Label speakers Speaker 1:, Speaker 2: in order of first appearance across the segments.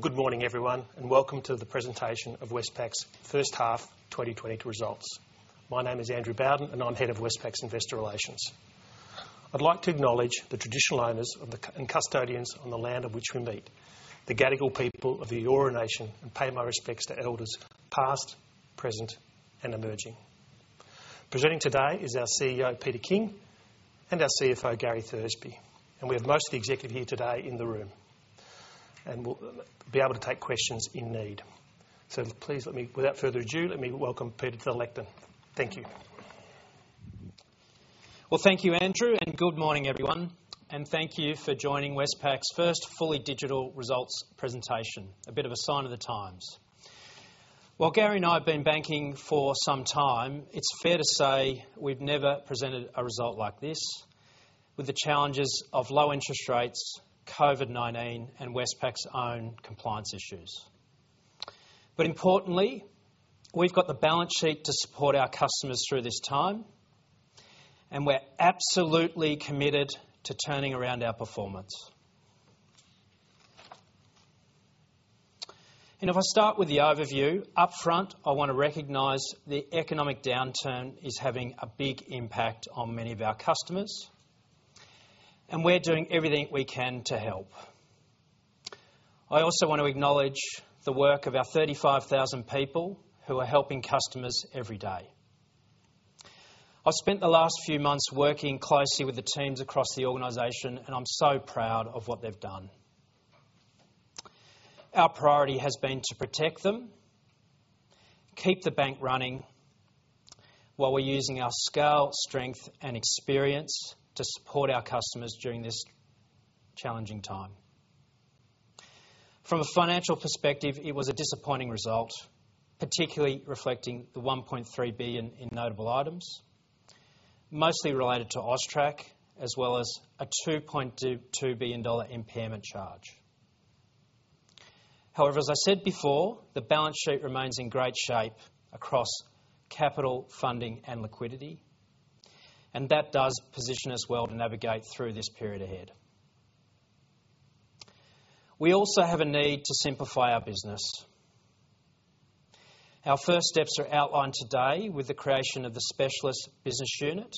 Speaker 1: Good morning, everyone, and welcome to the presentation of Westpac's first half 2020 results. My name is Andrew Bowden, and I'm head of Westpac's Investor Relations. I'd like to acknowledge the traditional owners and custodians on the land on which we meet, the Gadigal people of the Eora Nation, and pay my respects to elders past, present, and emerging. Presenting today is our CEO, Peter King, and our CFO, Gary Thursby, and we have most of the executive here today in the room, and we'll be able to take questions in need, so please, without further ado, let me welcome Peter to the lectern. Thank you.
Speaker 2: Thank you, Andrew, and good morning, everyone. Thank you for joining Westpac's first fully digital results presentation, a bit of a sign of the times. While Gary and I have been banking for some time, it's fair to say we've never presented a result like this with the challenges of low interest rates, COVID-19, and Westpac's own compliance issues, but importantly, we've got the balance sheet to support our customers through this time, and we're absolutely committed to turning around our performance, and if I start with the overview, upfront, I want to recognize the economic downturn is having a big impact on many of our customers, and we're doing everything we can to help. I also want to acknowledge the work of our 35,000 people who are helping customers every day. I've spent the last few months working closely with the teams across the organization, and I'm so proud of what they've done. Our priority has been to protect them, keep the bank running while we're using our scale, strength, and experience to support our customers during this challenging time. From a financial perspective, it was a disappointing result, particularly reflecting the 1.3 billion in notable items, mostly related to AUSTRAC, as well as a 2.2 billion dollar impairment charge. However, as I said before, the balance sheet remains in great shape across capital, funding, and liquidity, and that does position us well to navigate through this period ahead. We also have a need to simplify our business. Our first steps are outlined today with the creation of the Specialist Business unit,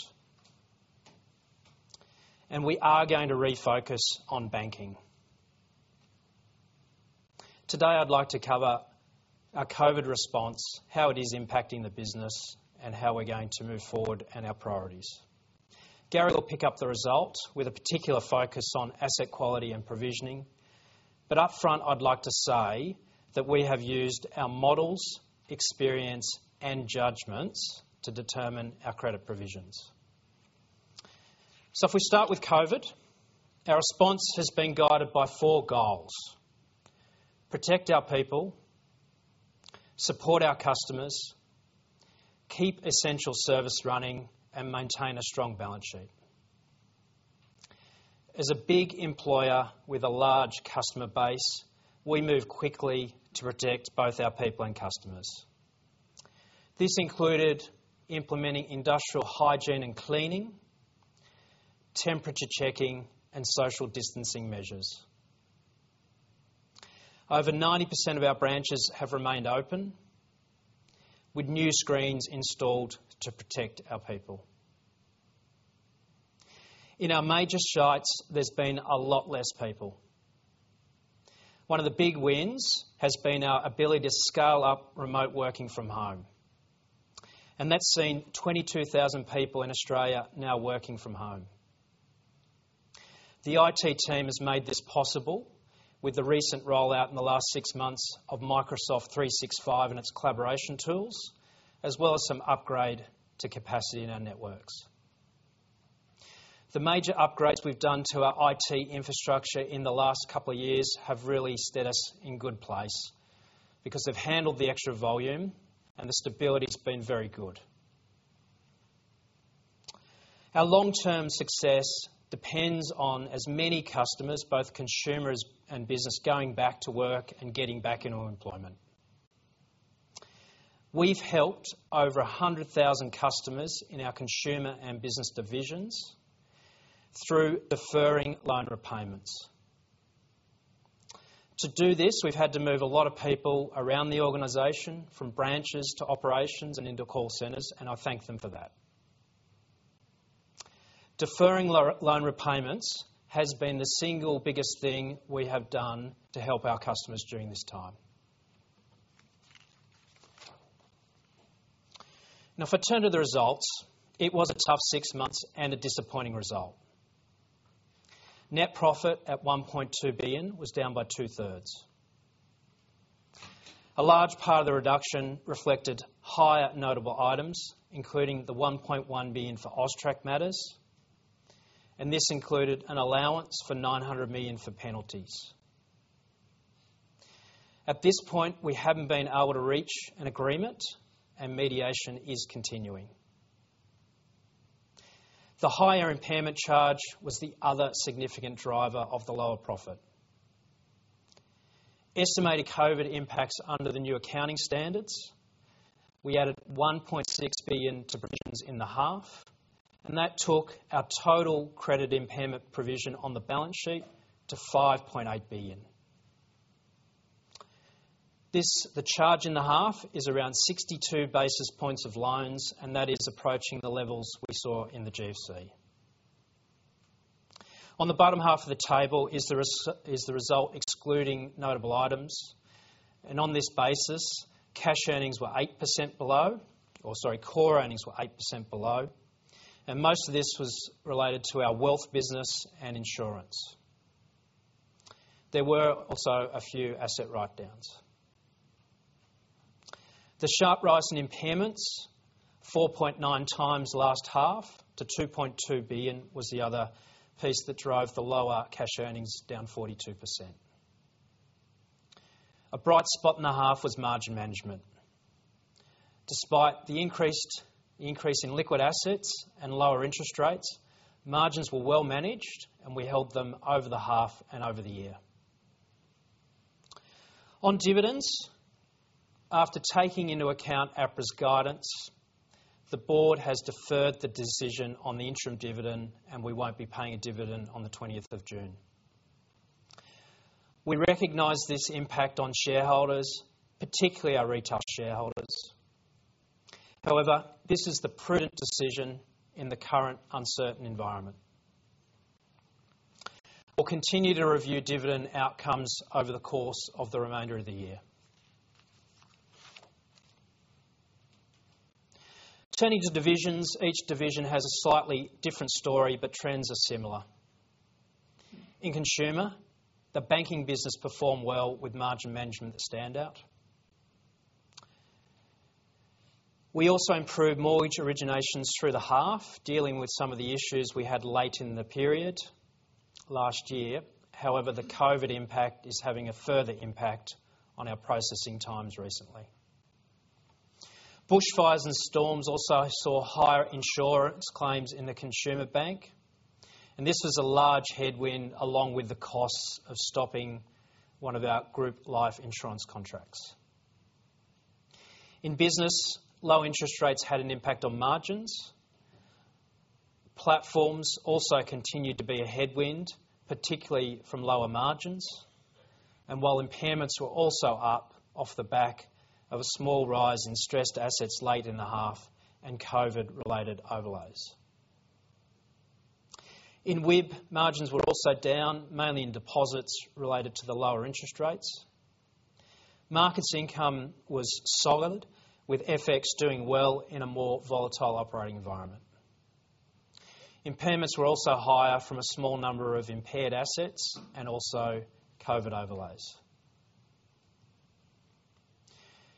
Speaker 2: and we are going to refocus on banking. Today, I'd like to cover our COVID response, how it is impacting the business, and how we're going to move forward and our priorities. Gary will pick up the result with a particular focus on asset quality and provisioning, but upfront, I'd like to say that we have used our models, experience, and judgments to determine our credit provisions, so if we start with COVID, our response has been guided by four goals: protect our people, support our customers, keep essential service running, and maintain a strong balance sheet. As a big employer with a large customer base, we move quickly to protect both our people and customers. This included implementing industrial hygiene and cleaning, temperature checking, and social distancing measures. Over 90% of our branches have remained open with new screens installed to protect our people. In our major sites, there's been a lot less people. One of the big wins has been our ability to scale up remote working from home, and that's seen 22,000 people in Australia now working from home. The IT team has made this possible with the recent rollout in the last six months of Microsoft 365 and its collaboration tools, as well as some upgrade to capacity in our networks. The major upgrades we've done to our IT infrastructure in the last couple of years have really set us in good place because they've handled the extra volume, and the stability has been very good. Our long-term success depends on as many customers, both Consumers and Business, going back to work and getting back into employment. We've helped over 100,000 customers in our Consumer and Business divisions through deferring loan repayments. To do this, we've had to move a lot of people around the organization from branches to operations and into call centers, and I thank them for that. Deferring loan repayments has been the single biggest thing we have done to help our customers during this time. Now, if I turn to the results, it was a tough six months and a disappointing result. Net profit at 1.2 billion was down by two-thirds. A large part of the reduction reflected higher notable items, including the 1.1 billion for AUSTRAC matters, and this included an allowance for 900 million for penalties. At this point, we haven't been able to reach an agreement, and mediation is continuing. The higher impairment charge was the other significant driver of the lower profit. Estimated COVID impacts under the new accounting standards, we added 1.6 billion to provisions in the half, and that took our total credit impairment provision on the balance sheet to 5.8 billion. The charge in the half is around 62 basis points of loans, and that is approaching the levels we saw in the GFC. On the bottom half of the table is the result excluding notable items, and on this basis, cash earnings were 8% below, or sorry, core earnings were 8% below, and most of this was related to our wealth business and insurance. There were also a few asset write-downs. The sharp rise in impairments, 4.9 times last half to 2.2 billion, was the other piece that drove the lower cash earnings down 42%. A bright spot in the half was margin management. Despite the increase in liquid assets and lower interest rates, margins were well managed, and we held them over the half and over the year. On dividends, after taking into account APRA's guidance, the Board has deferred the decision on the interim dividend, and we won't be paying a dividend on the 20th of June. We recognize this impact on shareholders, particularly our retail shareholders. However, this is the prudent decision in the current uncertain environment. We'll continue to review dividend outcomes over the course of the remainder of the year. Turning to divisions, each division has a slightly different story, but trends are similar. In Consumer, the banking business performed well with margin management that stand out. We also improved mortgage originations through the half, dealing with some of the issues we had late in the period last year. However, the COVID impact is having a further impact on our processing times recently. Bushfires and storms also saw higher insurance claims in the Consumer Bank, and this was a large headwind along with the costs of stopping one of our group life insurance contracts. In Business, low interest rates had an impact on margins. Platforms also continued to be a headwind, particularly from lower margins, and while impairments were also up off the back of a small rise in stressed assets late in the half and COVID-related overlays. In WIB, margins were also down, mainly in deposits related to the lower interest rates. Markets income was solid, with FX doing well in a more volatile operating environment. Impairments were also higher from a small number of impaired assets and also COVID overlays.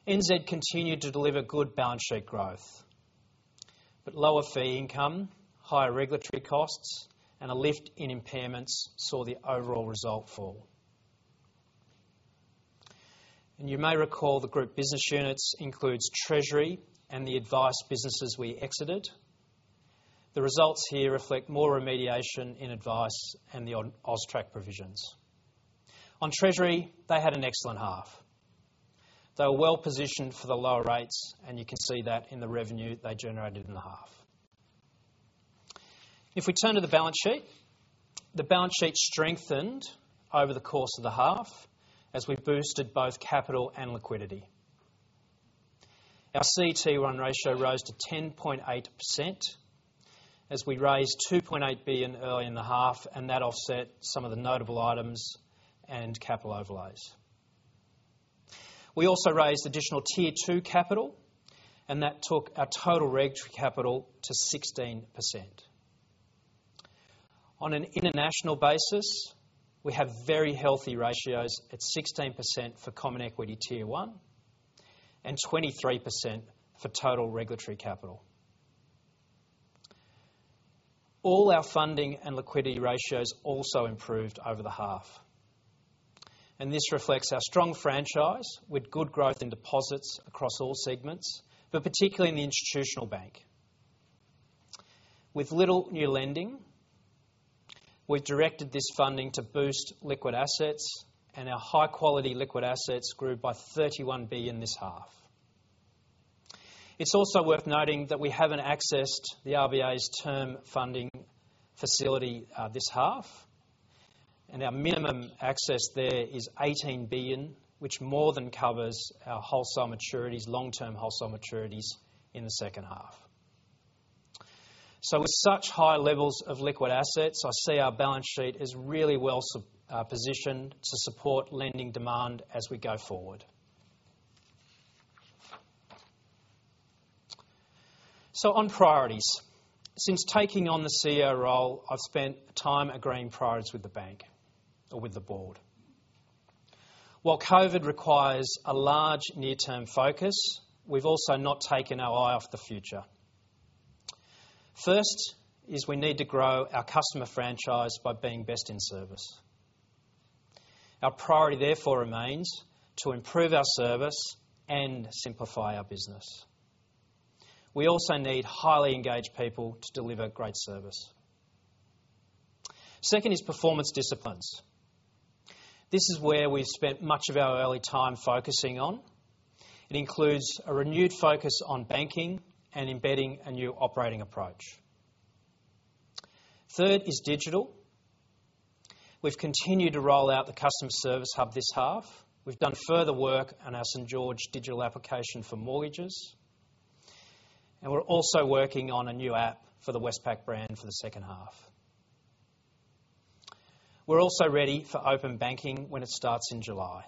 Speaker 2: NZ continued to deliver good balance sheet growth, but lower fee income, higher regulatory costs, and a lift in impairments saw the overall result fall. You may recall the Group Business units includes Treasury and the advice businesses we exited. The results here reflect more remediation in advice and the AUSTRAC provisions. On Treasury, they had an excellent half. They were well positioned for the lower rates, and you can see that in the revenue they generated in the half. If we turn to the balance sheet, the balance sheet strengthened over the course of the half as we boosted both capital and liquidity. Our CET1 ratio rose to 10.8% as we raised 2.8 billion early in the half, and that offset some of the notable items and capital overlays. We also raised additional Tier 2 capital, and that took our total regulatory capital to 16%. On an international basis, we have very healthy ratios at 16% for Common Equity Tier 1 and 23% for total regulatory capital. All our funding and liquidity ratios also improved over the half, and this reflects our strong franchise with good growth in deposits across all segments, but particularly in the Institutional Bank. With little new lending, we've directed this funding to boost liquid assets, and our high-quality liquid assets grew by 31 billion this half. It's also worth noting that we haven't accessed the RBA's Term Funding Facility this half, and our minimum access there is 18 billion, which more than covers our long-term wholesale maturities in the second half. So with such high levels of liquid assets, I see our balance sheet is really well positioned to support lending demand as we go forward. So on priorities, since taking on the CEO role, I've spent time agreeing priorities with the bank or with the Board. While COVID requires a large near-term focus, we've also not taken our eye off the future. First is we need to grow our customer franchise by being best in service. Our priority therefore remains to improve our service and simplify our business. We also need highly engaged people to deliver great service. Second is performance disciplines. This is where we've spent much of our early time focusing on. It includes a renewed focus on banking and embedding a new operating approach. Third is digital. We've continued to roll out the Customer Service Hub this half. We've done further work on our St. George digital application for mortgages, and we're also working on a new app for the Westpac brand for the second half. We're also ready for open banking when it starts in July.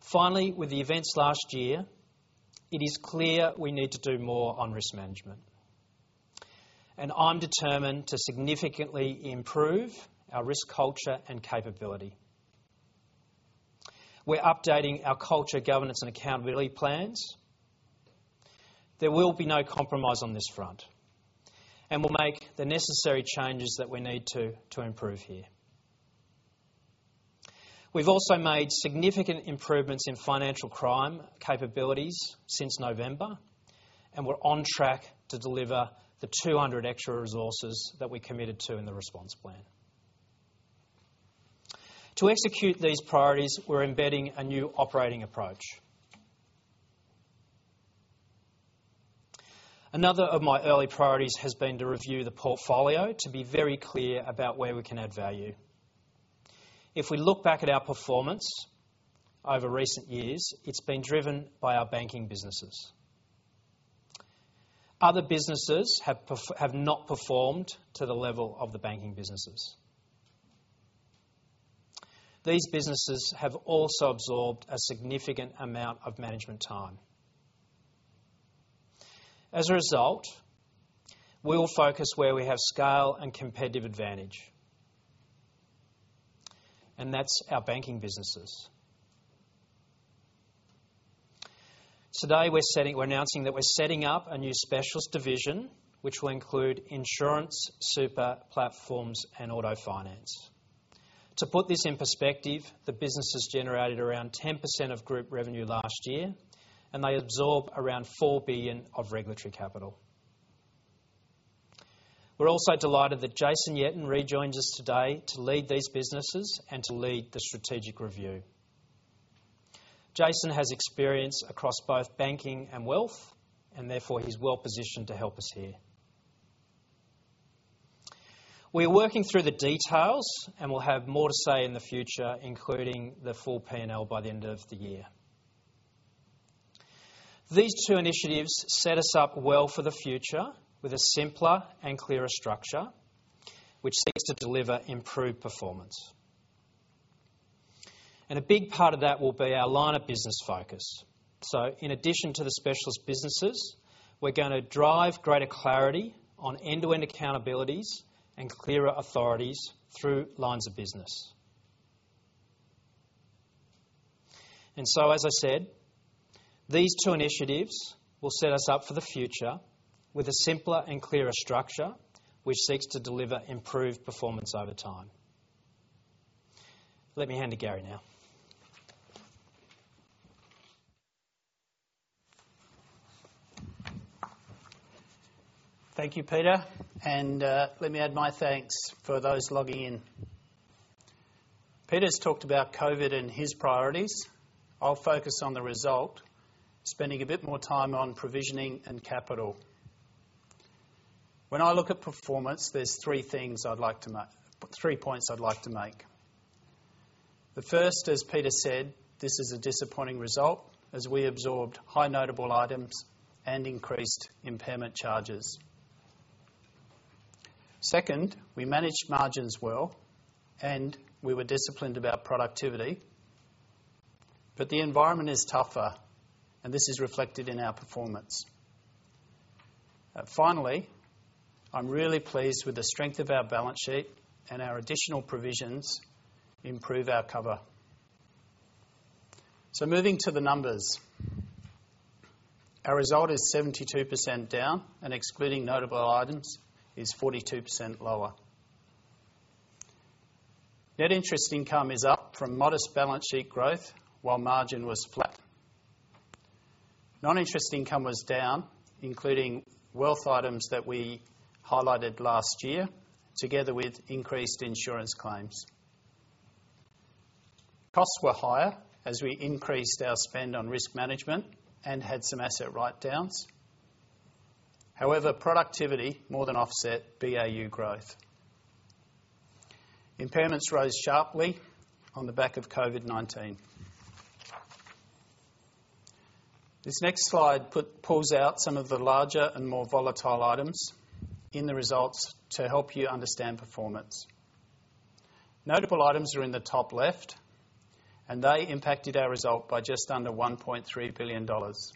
Speaker 2: Finally, with the events last year, it is clear we need to do more on risk management, and I'm determined to significantly improve our risk culture and capability. We're updating our culture, governance, and accountability plans. There will be no compromise on this front, and we'll make the necessary changes that we need to improve here. We've also made significant improvements in financial crime capabilities since November, and we're on track to deliver the 200 extra resources that we committed to in the response plan. To execute these priorities, we're embedding a new operating approach. Another of my early priorities has been to review the portfolio to be very clear about where we can add value. If we look back at our performance over recent years, it's been driven by our banking businesses. Other businesses have not performed to the level of the banking businesses. These businesses have also absorbed a significant amount of management time. As a result, we will focus where we have scale and competitive advantage, and that's our banking businesses. Today, we're announcing that we're setting up a new specialist division, which will include insurance, super platforms, and auto finance. To put this in perspective, the business has generated around 10% of group revenue last year, and they absorbed around 4 billion of regulatory capital. We're also delighted that Jason Yetton rejoins us today to lead these businesses and to lead the strategic review. Jason has experience across both banking and wealth, and therefore he's well positioned to help us here. We're working through the details, and we'll have more to say in the future, including the full P&L by the end of the year. These two initiatives set us up well for the future with a simpler and clearer structure, which seeks to deliver improved performance. And a big part of that will be our line of business focus. So in addition to the Specialist Businesses, we're going to drive greater clarity on end-to-end accountabilities and clearer authorities through lines of business. And so, as I said, these two initiatives will set us up for the future with a simpler and clearer structure, which seeks to deliver improved performance over time. Let me hand to Gary now.
Speaker 3: Thank you, Peter, and let me add my thanks for those logging in. Peter's talked about COVID and his priorities. I'll focus on the result, spending a bit more time on provisioning and capital. When I look at performance, there's three things I'd like to make, three points I'd like to make. The first, as Peter said, this is a disappointing result as we absorbed high notable items and increased impairment charges. Second, we managed margins well, and we were disciplined about productivity, but the environment is tougher, and this is reflected in our performance. Finally, I'm really pleased with the strength of our balance sheet and our additional provisions improve our cover, so moving to the numbers, our result is 72% down, and excluding notable items is 42% lower. Net interest income is up from modest balance sheet growth while margin was flat. Non-interest income was down, including wealth items that we highlighted last year, together with increased insurance claims. Costs were higher as we increased our spend on risk management and had some asset write-downs. However, productivity more than offset BAU growth. Impairments rose sharply on the back of COVID-19. This next slide pulls out some of the larger and more volatile items in the results to help you understand performance. Notable items are in the top left, and they impacted our result by just under 1.3 billion dollars.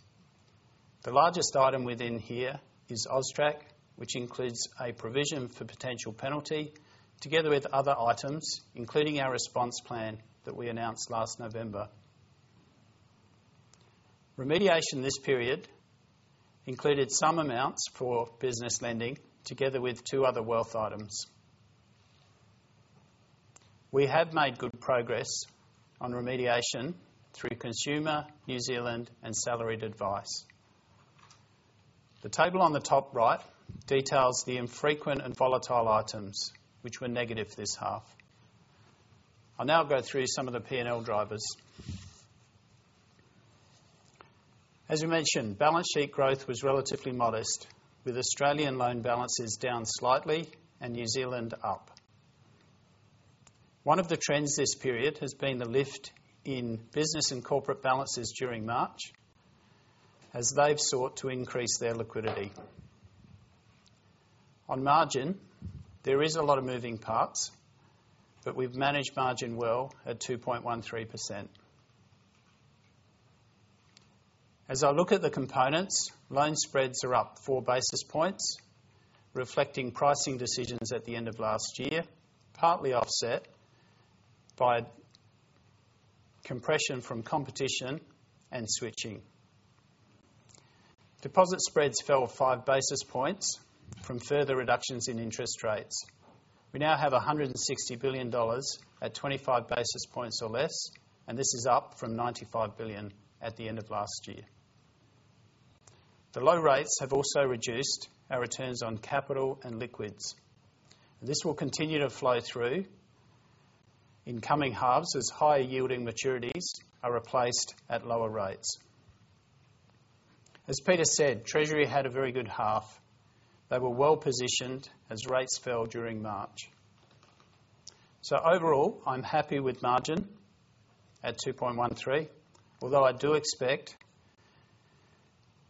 Speaker 3: The largest item within here is AUSTRAC, which includes a provision for potential penalty, together with other items, including our response plan that we announced last November. Remediation this period included some amounts for business lending, together with two other wealth items. We have made good progress on remediation through Consumer, New Zealand, and salaried advice. The table on the top right details the infrequent and volatile items, which were negative this half. I'll now go through some of the P&L drivers. As we mentioned, balance sheet growth was relatively modest, with Australian loan balances down slightly and New Zealand up. One of the trends this period has been the lift in business and corporate balances during March, as they've sought to increase their liquidity. On margin, there is a lot of moving parts, but we've managed margin well at 2.13%. As I look at the components, loan spreads are up four basis points, reflecting pricing decisions at the end of last year, partly offset by compression from competition and switching. Deposit spreads fell five basis points from further reductions in interest rates. We now have 160 billion dollars at 25 basis points or less, and this is up from 95 billion at the end of last year. The low rates have also reduced our returns on capital and liquids. This will continue to flow through in coming halves as higher yielding maturities are replaced at lower rates. As Peter said, Treasury had a very good half. They were well positioned as rates fell during March. So overall, I'm happy with margin at 2.13%, although I do expect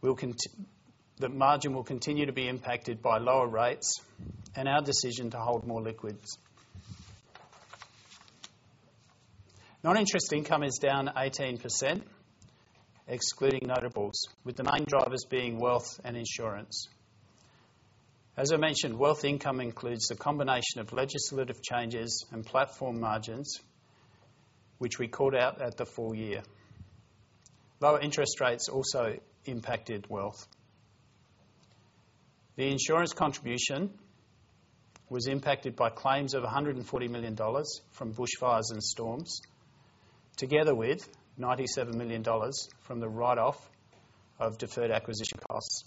Speaker 3: that margin will continue to be impacted by lower rates and our decision to hold more liquids. Non-interest income is down 18%, excluding notables, with the main drivers being wealth and insurance. As I mentioned, wealth income includes the combination of legislative changes and platform margins, which we called out at the full year. Lower interest rates also impacted wealth. The insurance contribution was impacted by claims of 140 million dollars from bushfires and storms, together with 97 million dollars from the write-off of deferred acquisition costs.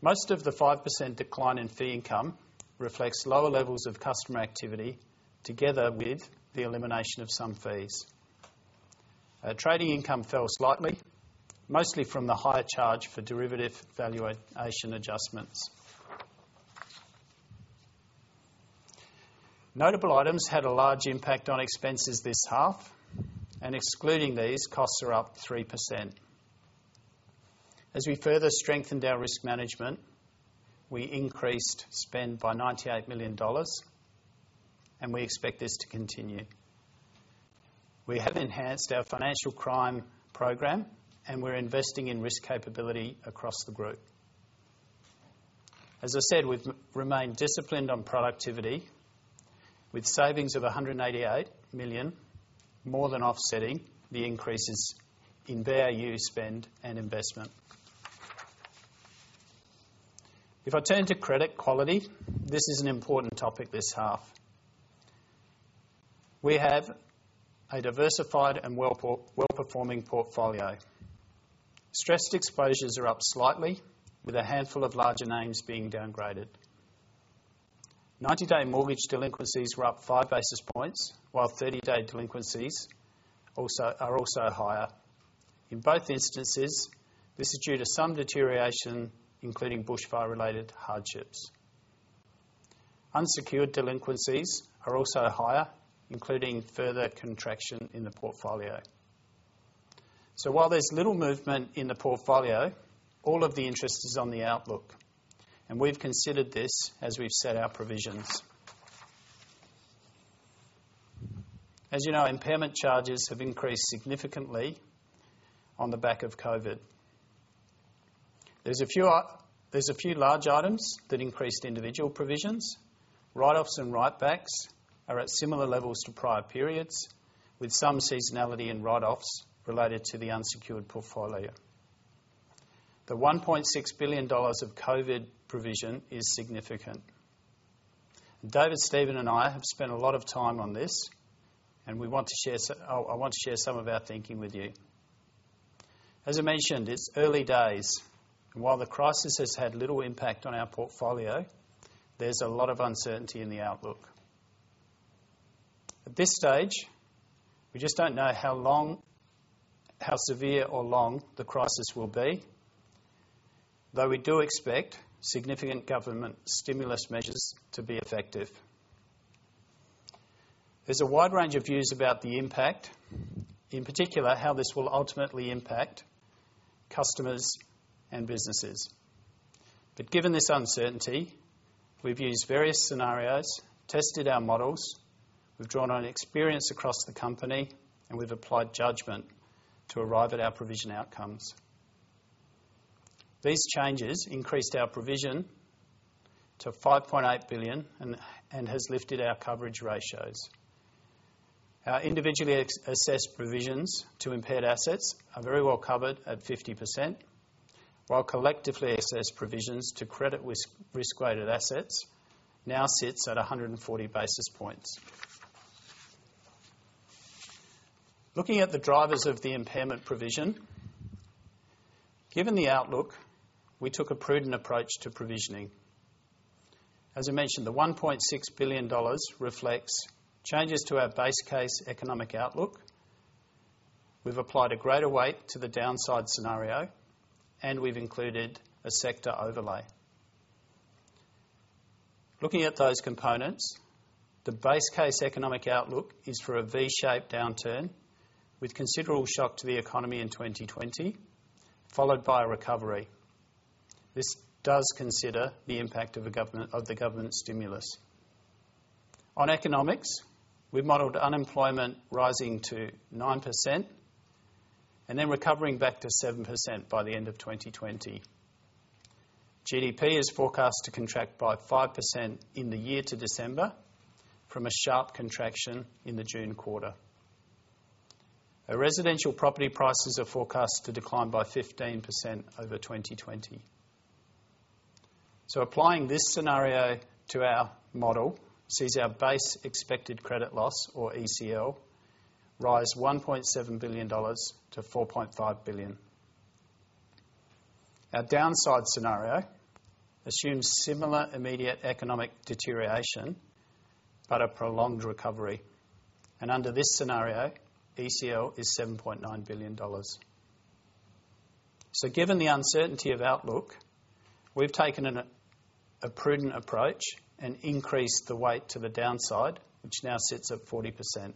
Speaker 3: Most of the 5% decline in fee income reflects lower levels of customer activity, together with the elimination of some fees. Trading income fell slightly, mostly from the higher charge for derivative valuation adjustments. Notable items had a large impact on expenses this half, and excluding these, costs are up 3%. As we further strengthened our risk management, we increased spend by 98 million dollars, and we expect this to continue. We have enhanced our financial crime program, and we're investing in risk capability across the group. As I said, we've remained disciplined on productivity, with savings of 188 million, more than offsetting the increases in BAU spend and investment. If I turn to credit quality, this is an important topic this half. We have a diversified and well-performing portfolio. Stressed exposures are up slightly, with a handful of larger names being downgraded. 90-day mortgage delinquencies were up five basis points, while 30-day delinquencies are also higher. In both instances, this is due to some deterioration, including bushfire-related hardships. Unsecured delinquencies are also higher, including further contraction in the portfolio. So while there's little movement in the portfolio, all of the interest is on the outlook, and we've considered this as we've set our provisions. As you know, impairment charges have increased significantly on the back of COVID. There's a few large items that increased individual provisions. Write-offs and write-backs are at similar levels to prior periods, with some seasonality in write-offs related to the unsecured portfolio. The 1.6 billion dollars of COVID provision is significant. David Stephen and I have spent a lot of time on this, and we want to share some of our thinking with you. As I mentioned, it's early days. While the crisis has had little impact on our portfolio, there's a lot of uncertainty in the outlook. At this stage, we just don't know how severe or long the crisis will be, though we do expect significant government stimulus measures to be effective. There's a wide range of views about the impact, in particular how this will ultimately impact customers and businesses. But given this uncertainty, we've used various scenarios, tested our models, we've drawn on experience across the company, and we've applied judgment to arrive at our provision outcomes. These changes increased our provision to 5.8 billion and have lifted our coverage ratios. Our individually assessed provisions to impaired assets are very well covered at 50%, while collectively assessed provisions to credit risk-weighted assets now sit at 140 basis points. Looking at the drivers of the impairment provision, given the outlook, we took a prudent approach to provisioning. As I mentioned, the 1.6 billion dollars reflects changes to our base case economic outlook. We've applied a greater weight to the downside scenario, and we've included a sector overlay. Looking at those components, the base case economic outlook is for a V-shaped downturn with considerable shock to the economy in 2020, followed by a recovery. This does consider the impact of the government stimulus. On economics, we've modeled unemployment rising to 9% and then recovering back to 7% by the end of 2020. GDP is forecast to contract by 5% in the year to December from a sharp contraction in the June quarter. Residential property prices are forecast to decline by 15% over 2020. So applying this scenario to our model sees our base expected credit loss, or ECL, rise 1.7 billion dollars to 4.5 billion. Our downside scenario assumes similar immediate economic deterioration but a prolonged recovery. And under this scenario, ECL is 7.9 billion dollars. So given the uncertainty of outlook, we've taken a prudent approach and increased the weight to the downside, which now sits at 40%.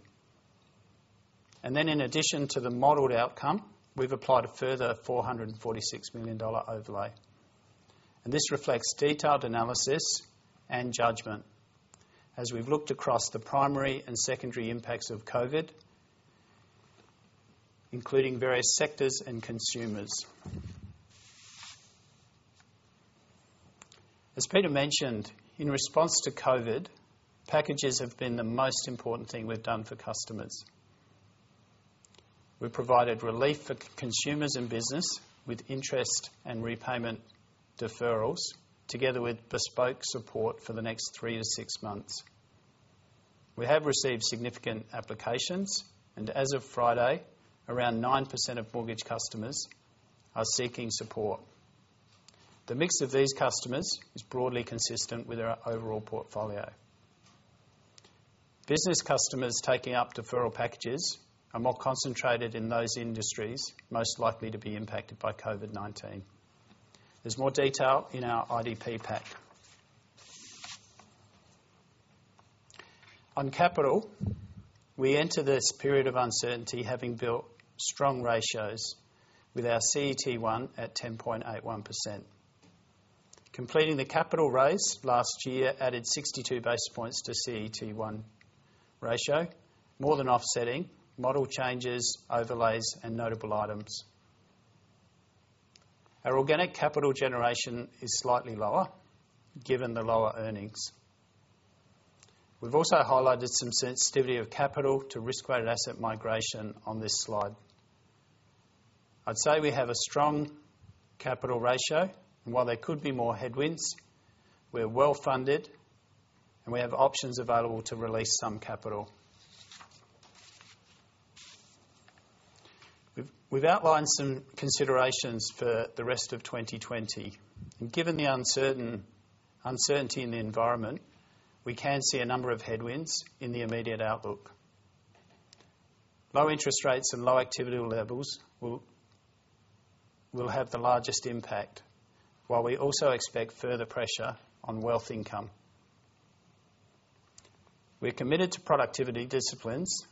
Speaker 3: In addition to the modeled outcome, we've applied a further 446 million dollar overlay. This reflects detailed analysis and judgment as we've looked across the primary and secondary impacts of COVID, including various sectors and Consumers. As Peter mentioned, in response to COVID, packages have been the most important thing we've done for customers. We've provided relief for Consumers and Business with interest and repayment deferrals, together with bespoke support for the next three to six months. We have received significant applications, and as of Friday, around 9% of mortgage customers are seeking support. The mix of these customers is broadly consistent with our overall portfolio. Business customers taking up deferral packages are more concentrated in those industries most likely to be impacted by COVID-19. There's more detail in our IDP pack. On capital, we enter this period of uncertainty having built strong ratios with our CET1 at 10.81%. Completing the capital raise last year added 62 basis points to CET1 ratio, more than offsetting model changes, overlays, and notable items. Our organic capital generation is slightly lower given the lower earnings. We've also highlighted some sensitivity of capital to risk-weighted asset migration on this slide. I'd say we have a strong capital ratio, and while there could be more headwinds, we're well funded, and we have options available to release some capital. We've outlined some considerations for the rest of 2020, and given the uncertainty in the environment, we can see a number of headwinds in the immediate outlook. Low interest rates and low activity levels will have the largest impact, while we also expect further pressure on wealth income. We're committed to productivity disciplines.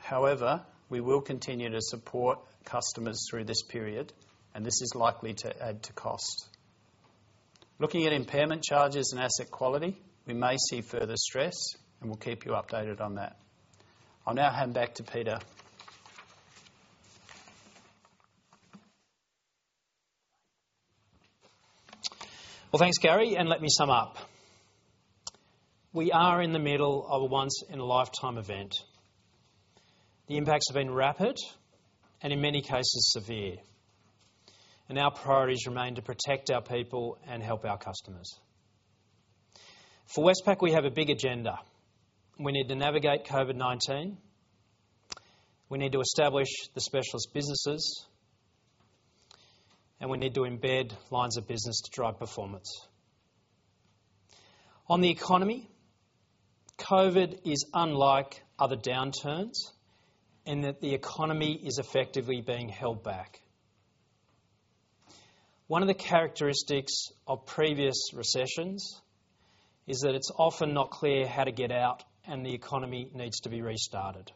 Speaker 3: However, we will continue to support customers through this period, and this is likely to add to cost. Looking at impairment charges and asset quality, we may see further stress, and we'll keep you updated on that. I'll now hand back to Peter.
Speaker 2: Well, thanks, Gary. And let me sum up. We are in the middle of a once-in-a-lifetime event. The impacts have been rapid and, in many cases, severe. And our priorities remain to protect our people and help our customers. For Westpac, we have a big agenda. We need to navigate COVID-19. We need to establish the Specialist Businesses. And we need to embed lines of business to drive performance. On the economy, COVID is unlike other downturns in that the economy is effectively being held back. One of the characteristics of previous recessions is that it's often not clear how to get out, and the economy needs to be restarted.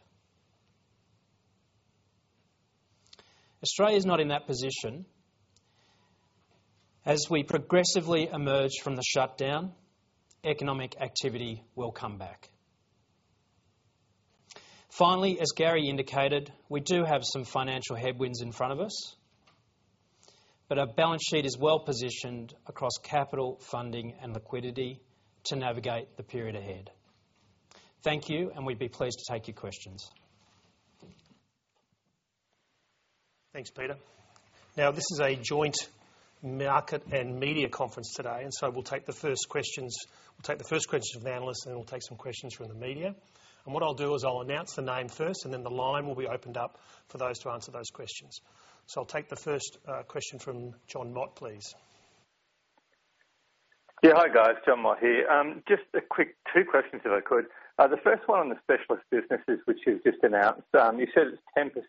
Speaker 2: Australia is not in that position. As we progressively emerge from the shutdown, economic activity will come back. Finally, as Gary indicated, we do have some financial headwinds in front of us, but our balance sheet is well positioned across capital, funding, and liquidity to navigate the period ahead. Thank you, and we'd be pleased to take your questions.
Speaker 1: Thanks, Peter. Now, this is a joint market and media conference today, and so we'll take the first questions. We'll take the first questions from the analysts, and then we'll take some questions from the media. And what I'll do is I'll announce the name first, and then the line will be opened up for those to answer those questions. So I'll take the first question from Jon Mott, please.
Speaker 4: Yeah. Hi, guys. Jon Mott here. Just a quick two questions, if I could. The first one on the Specialist Businesses, which you've just announced. You said it's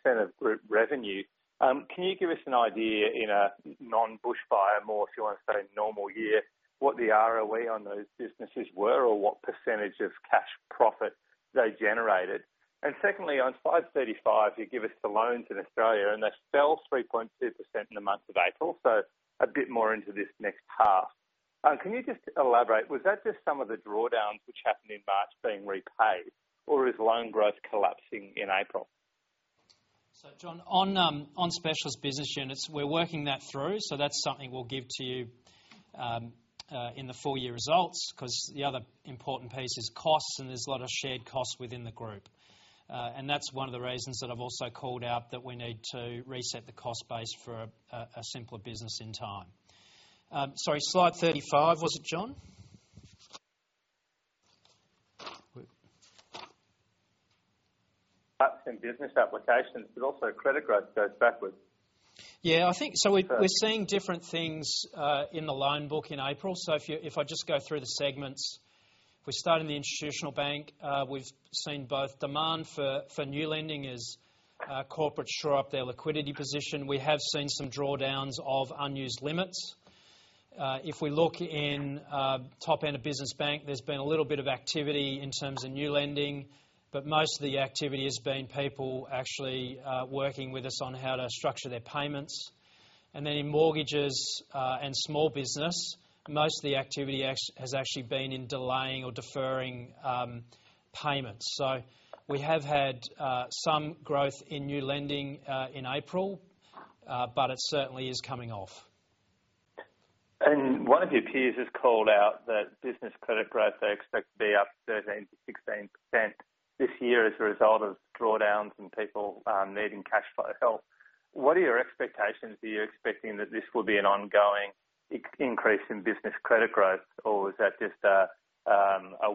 Speaker 4: 10% of group revenue. Can you give us an idea in a non-bushfire, more if you want to say normal year, what the ROE on those businesses were or what percentage of cash profit they generated? And secondly, on 535, you give us the loans in Australia, and they fell 3.2% in the month of April, so a bit more into this next half. Can you just elaborate? Was that just some of the drawdowns which happened in March being repaid, or is loan growth collapsing in April?
Speaker 2: So, Jon, on Specialist Business units, we're working that through, so that's something we'll give to you in the full year results because the other important piece is costs, and there's a lot of shared costs within the group. And that's one of the reasons that I've also called out that we need to reset the cost base for a simpler business in time. Sorry, slide 35, was it, John?
Speaker 4: Cuts in business applications, but also credit growth goes backwards.
Speaker 2: Yeah. So we're seeing different things in the loan book in April. So if I just go through the segments, we start in the Institutional Bank. We've seen both demand for new lending as corporates shore up their liquidity position. We have seen some drawdowns of unused limits. If we look in top-end of Business Bank, there's been a little bit of activity in terms of new lending, but most of the activity has been people actually working with us on how to structure their payments. And then in mortgages and small business, most of the activity has actually been in delaying or deferring payments. So we have had some growth in new lending in April, but it certainly is coming off.
Speaker 4: And one of your peers has called out that business credit growth they expect to be up 13%-16% this year as a result of drawdowns and people needing cash flow help. What are your expectations? Are you expecting that this will be an ongoing increase in business credit growth, or is that just a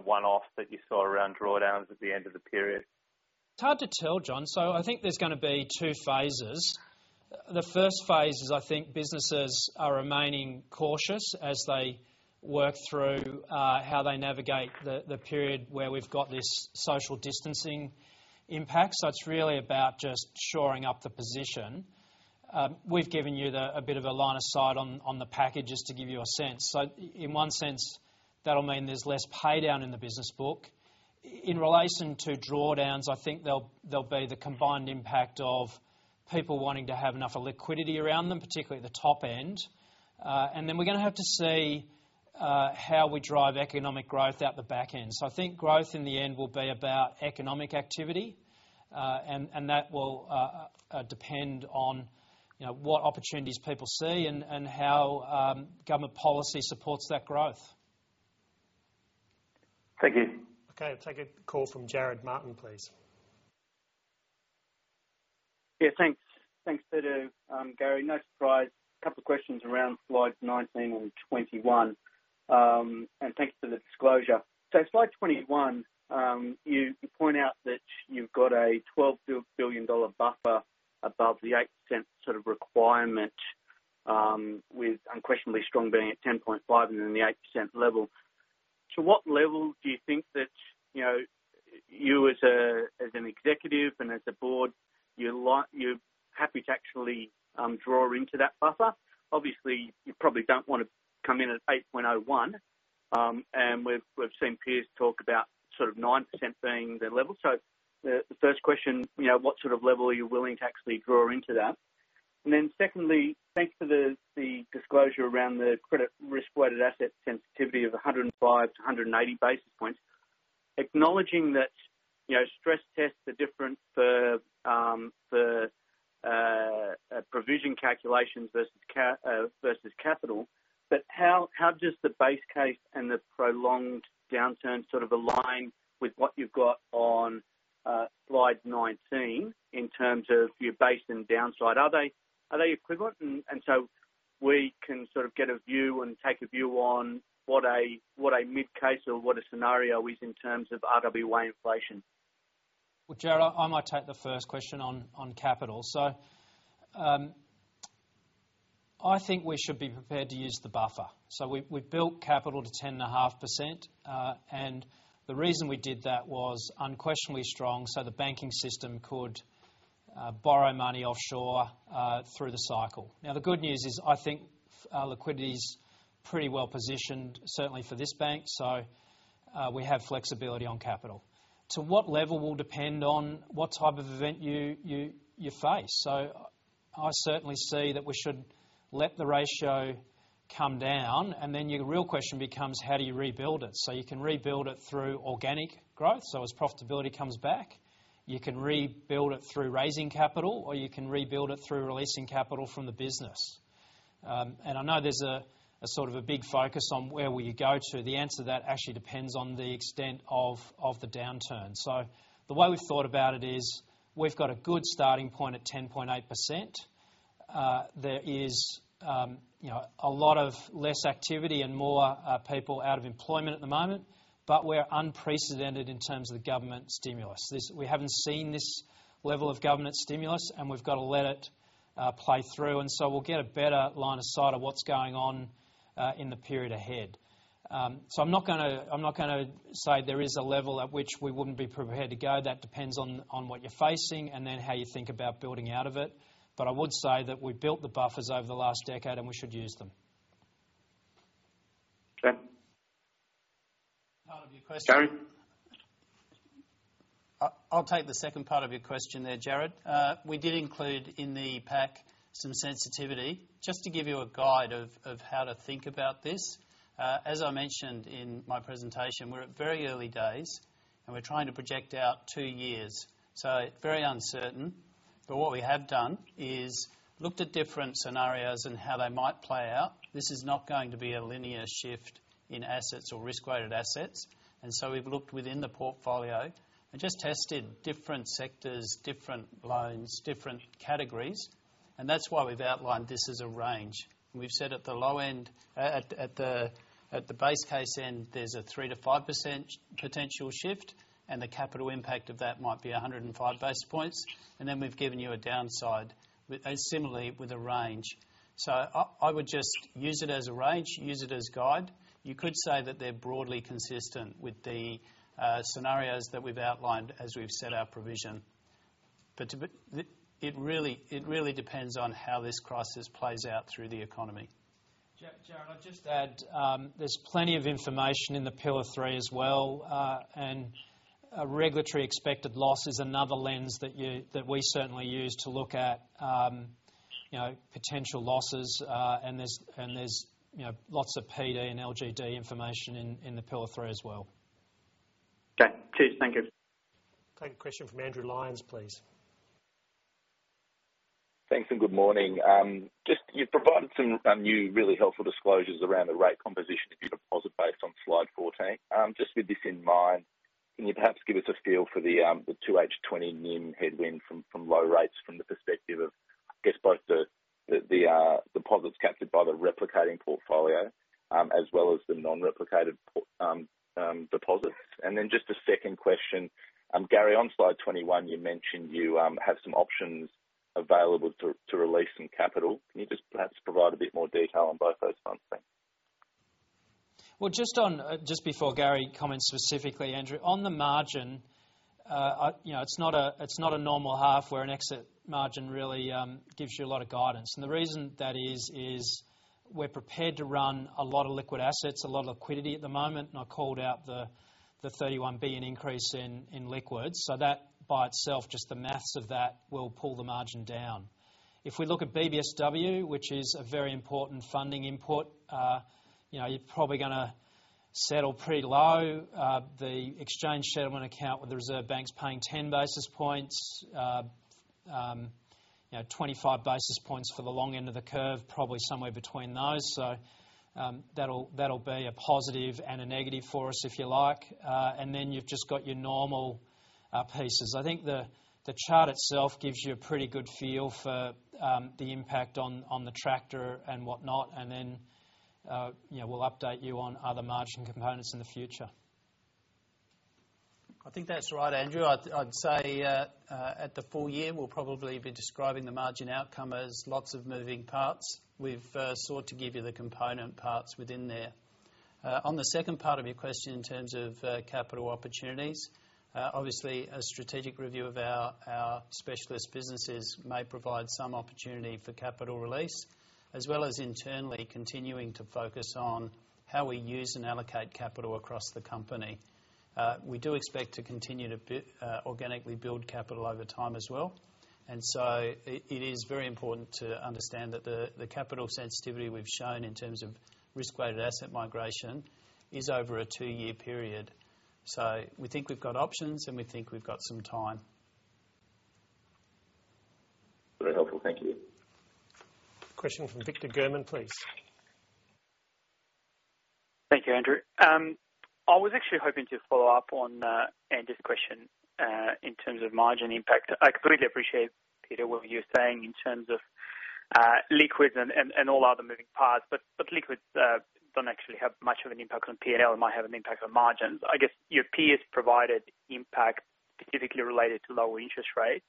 Speaker 4: one-off that you saw around drawdowns at the end of the period?
Speaker 2: It's hard to tell, Jon. So I think there's going to be two phases. The first phase is I think businesses are remaining cautious as they work through how they navigate the period where we've got this social distancing impact. So it's really about just shoring up the position. We've given you a bit of a line of sight on the packages to give you a sense. So in one sense, that'll mean there's less paydown in the business book. In relation to drawdowns, I think there'll be the combined impact of people wanting to have enough liquidity around them, particularly the top end. And then we're going to have to see how we drive economic growth out the back end. So I think growth in the end will be about economic activity, and that will depend on what opportunities people see and how government policy supports that growth.
Speaker 4: Thank you.
Speaker 1: Okay. I'll take a call from Jarrod Martin, please.
Speaker 5: Yeah. Thanks. Thanks, Peter, Gary. No surprise. A couple of questions around slides 19 and 21. And thanks for the disclosure. So slide 21, you point out that you've got a 12 billion dollar buffer above the 8% sort of requirement, with unquestionably strong being at 10.5% and then the 8% level. To what level do you think that you, as an executive and as a Board, you're happy to actually draw into that buffer? Obviously, you probably don't want to come in at 8.01%, and we've seen peers talk about sort of 9% being the level. So the first question, what sort of level are you willing to actually draw into that? And then secondly, thanks for the disclosure around the credit risk-weighted asset sensitivity of 105-180 basis points. Acknowledging that stress tests are different for provision calculations versus capital, but how does the base case and the prolonged downturn sort of align with what you've got on slide 19 in terms of your base and downside? Are they equivalent? And so we can sort of get a view and take a view on what a mid-case or what a scenario is in terms of RWA inflation.
Speaker 3: Well, Jarrod, I might take the first question on capital. So I think we should be prepared to use the buffer. So we've built capital to 10.5%, and the reason we did that was unquestionably strong so the banking system could borrow money offshore through the cycle. Now, the good news is I think liquidity's pretty well positioned, certainly for this bank, so we have flexibility on capital. To what level will depend on what type of event you face? So I certainly see that we should let the ratio come down, and then your real question becomes, how do you rebuild it? So you can rebuild it through organic growth. So as profitability comes back, you can rebuild it through raising capital, or you can rebuild it through releasing capital from the business. And I know there's a sort of a big focus on where will you go to. The answer to that actually depends on the extent of the downturn. So the way we've thought about it is we've got a good starting point at 10.8%. There is a lot of less activity and more people out of employment at the moment, but we're unprecedented in terms of the government stimulus. We haven't seen this level of government stimulus, and we've got to let it play through. And so we'll get a better line of sight of what's going on in the period ahead. So I'm not going to say there is a level at which we wouldn't be prepared to go. That depends on what you're facing and then how you think about building out of it. But I would say that we built the buffers over the last decade, and we should use them.
Speaker 5: Okay. Thanks, Gary.
Speaker 2: I'll take the second part of your question there, Jarrod. We did include in the pack some sensitivity just to give you a guide of how to think about this. As I mentioned in my presentation, we're at very early days, and we're trying to project out two years. So very uncertain. But what we have done is looked at different scenarios and how they might play out. This is not going to be a linear shift in assets or risk-weighted assets. And so we've looked within the portfolio and just tested different sectors, different loans, different categories. And that's why we've outlined this as a range. We've said at the low end, at the base case end, there's a 3%-5% potential shift, and the capital impact of that might be 105 basis points. And then we've given you a downside, similarly with a range. So I would just use it as a range, use it as guide. You could say that they're broadly consistent with the scenarios that we've outlined as we've set our provision. But it really depends on how this crisis plays out through the economy.
Speaker 3: Jarrod, I'll just add there's plenty of information in the Pillar 3 as well. Regulatory expected loss is another lens that we certainly use to look at potential losses. And there's lots of PD and LGD information in the Pillar 3 as well.
Speaker 5: Okay. Cheers. Thank you.
Speaker 3: Take a question from Andrew Lyons, please.
Speaker 6: Thanks and good morning. Just you've provided some new, really helpful disclosures around the rate composition of your deposit base on slide 14. Just with this in mind, can you perhaps give us a feel for the 2H 2020 NIM headwind from low rates from the perspective of, I guess, both the deposits captured by the replicating portfolio as well as the non-replicated deposits? And then just a second question. Gary, on slide 21, you mentioned you have some options available to release some capital. Can you just perhaps provide a bit more detail on both those ones? Thanks.
Speaker 2: Just before Gary comments specifically, Andrew, on the margin, it's not a normal half where an exit margin really gives you a lot of guidance. The reason that is we're prepared to run a lot of liquid assets, a lot of liquidity at the moment. I called out the 31 billion increase in liquids. So that by itself, just the math of that will pull the margin down. If we look at BBSW, which is a very important funding input, you're probably going to settle pretty low. The exchange settlement account with the Reserve Bank paying 10 basis points, 25 basis points for the long end of the curve, probably somewhere between those. That'll be a positive and a negative for us, if you like. Then you've just got your normal pieces. I think the chart itself gives you a pretty good feel for the impact on the tractor and whatnot. And then we'll update you on other margin components in the future.
Speaker 3: I think that's right, Andrew. I'd say at the full year, we'll probably be describing the margin outcome as lots of moving parts. We've sought to give you the component parts within there. On the second part of your question in terms of capital opportunities, obviously, a strategic review of our Specialist Businesses may provide some opportunity for capital release, as well as internally continuing to focus on how we use and allocate capital across the company. We do expect to continue to organically build capital over time as well. And so it is very important to understand that the capital sensitivity we've shown in terms of risk-weighted asset migration is over a two-year period. So we think we've got options, and we think we've got some time.
Speaker 6: Very helpful. Thank you.
Speaker 1: Question from Victor German, please.
Speaker 7: Thank you, Andrew. I was actually hoping to follow up on Andrew's question in terms of margin impact. I completely appreciate, Peter, what you're saying in terms of liquids and all other moving parts. But liquids don't actually have much of an impact on P&L and might have an impact on margins. I guess your peers provided impact specifically related to lower interest rates,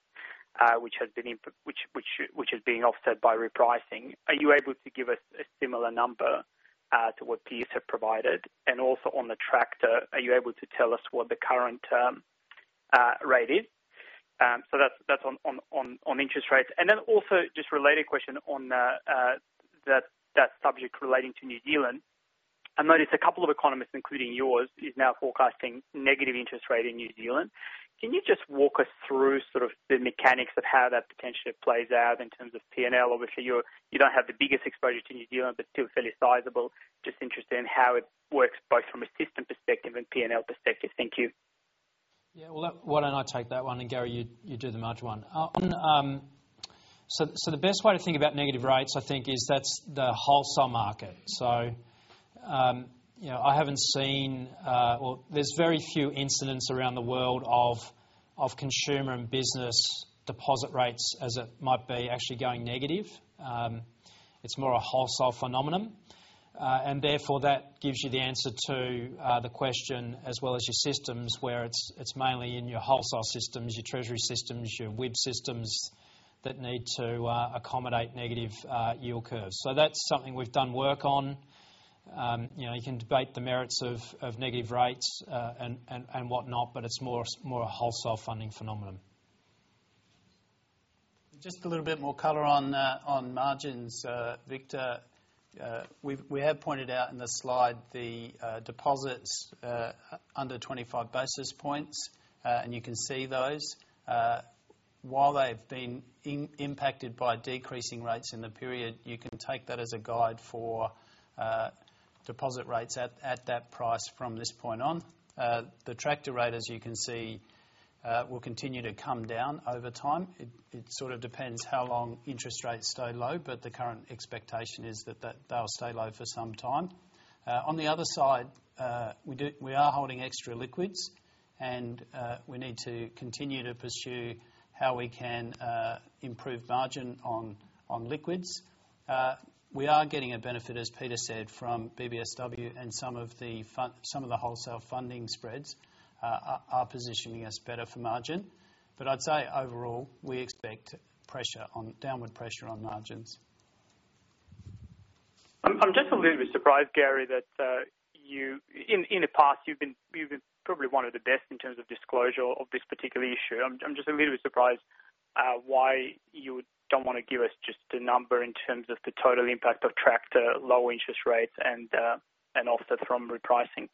Speaker 7: which is being offset by repricing. Are you able to give us a similar number to what peers have provided? And also on the tractor, are you able to tell us what the current rate is? So that's on interest rates. And then also just related question on that subject relating to New Zealand. I noticed a couple of economists, including yours, is now forecasting negative interest rate in New Zealand. Can you just walk us through sort of the mechanics of how that potentially plays out in terms of P&L? Obviously, you don't have the biggest exposure to New Zealand, but still fairly sizable. Just interested in how it works both from a system perspective and P&L perspective. Thank you.
Speaker 2: Yeah. Well, why don't I take that one? And Gary, you do the major one. So the best way to think about negative rates, I think, is that's the wholesale market. So I haven't seen, or there's very few incidents around the world of Consumer and Business deposit rates as it might be actually going negative. It's more a wholesale phenomenon. And therefore, that gives you the answer to the question as well as your systems, where it's mainly in your wholesale systems, your treasury systems, your WIB systems that need to accommodate negative yield curves. So that's something we've done work on. You can debate the merits of negative rates and whatnot, but it's more a wholesale funding phenomenon.
Speaker 3: Just a little bit more color on margins, Victor. We have pointed out in the slide the deposits under 25 basis points, and you can see those. While they've been impacted by decreasing rates in the period, you can take that as a guide for deposit rates at that price from this point on. The tractor rate, as you can see, will continue to come down over time. It sort of depends how long interest rates stay low, but the current expectation is that they'll stay low for some time. On the other side, we are holding extra liquids, and we need to continue to pursue how we can improve margin on liquids. We are getting a benefit, as Peter said, from BBSW, and some of the wholesale funding spreads are positioning us better for margin. But I'd say overall, we expect downward pressure on margins.
Speaker 7: I'm just a little bit surprised, Gary, that in the past, you've been probably one of the best in terms of disclosure of this particular issue. I'm just a little bit surprised why you don't want to give us just a number in terms of the total impact of tractor, lower interest rates, and offset from repricing.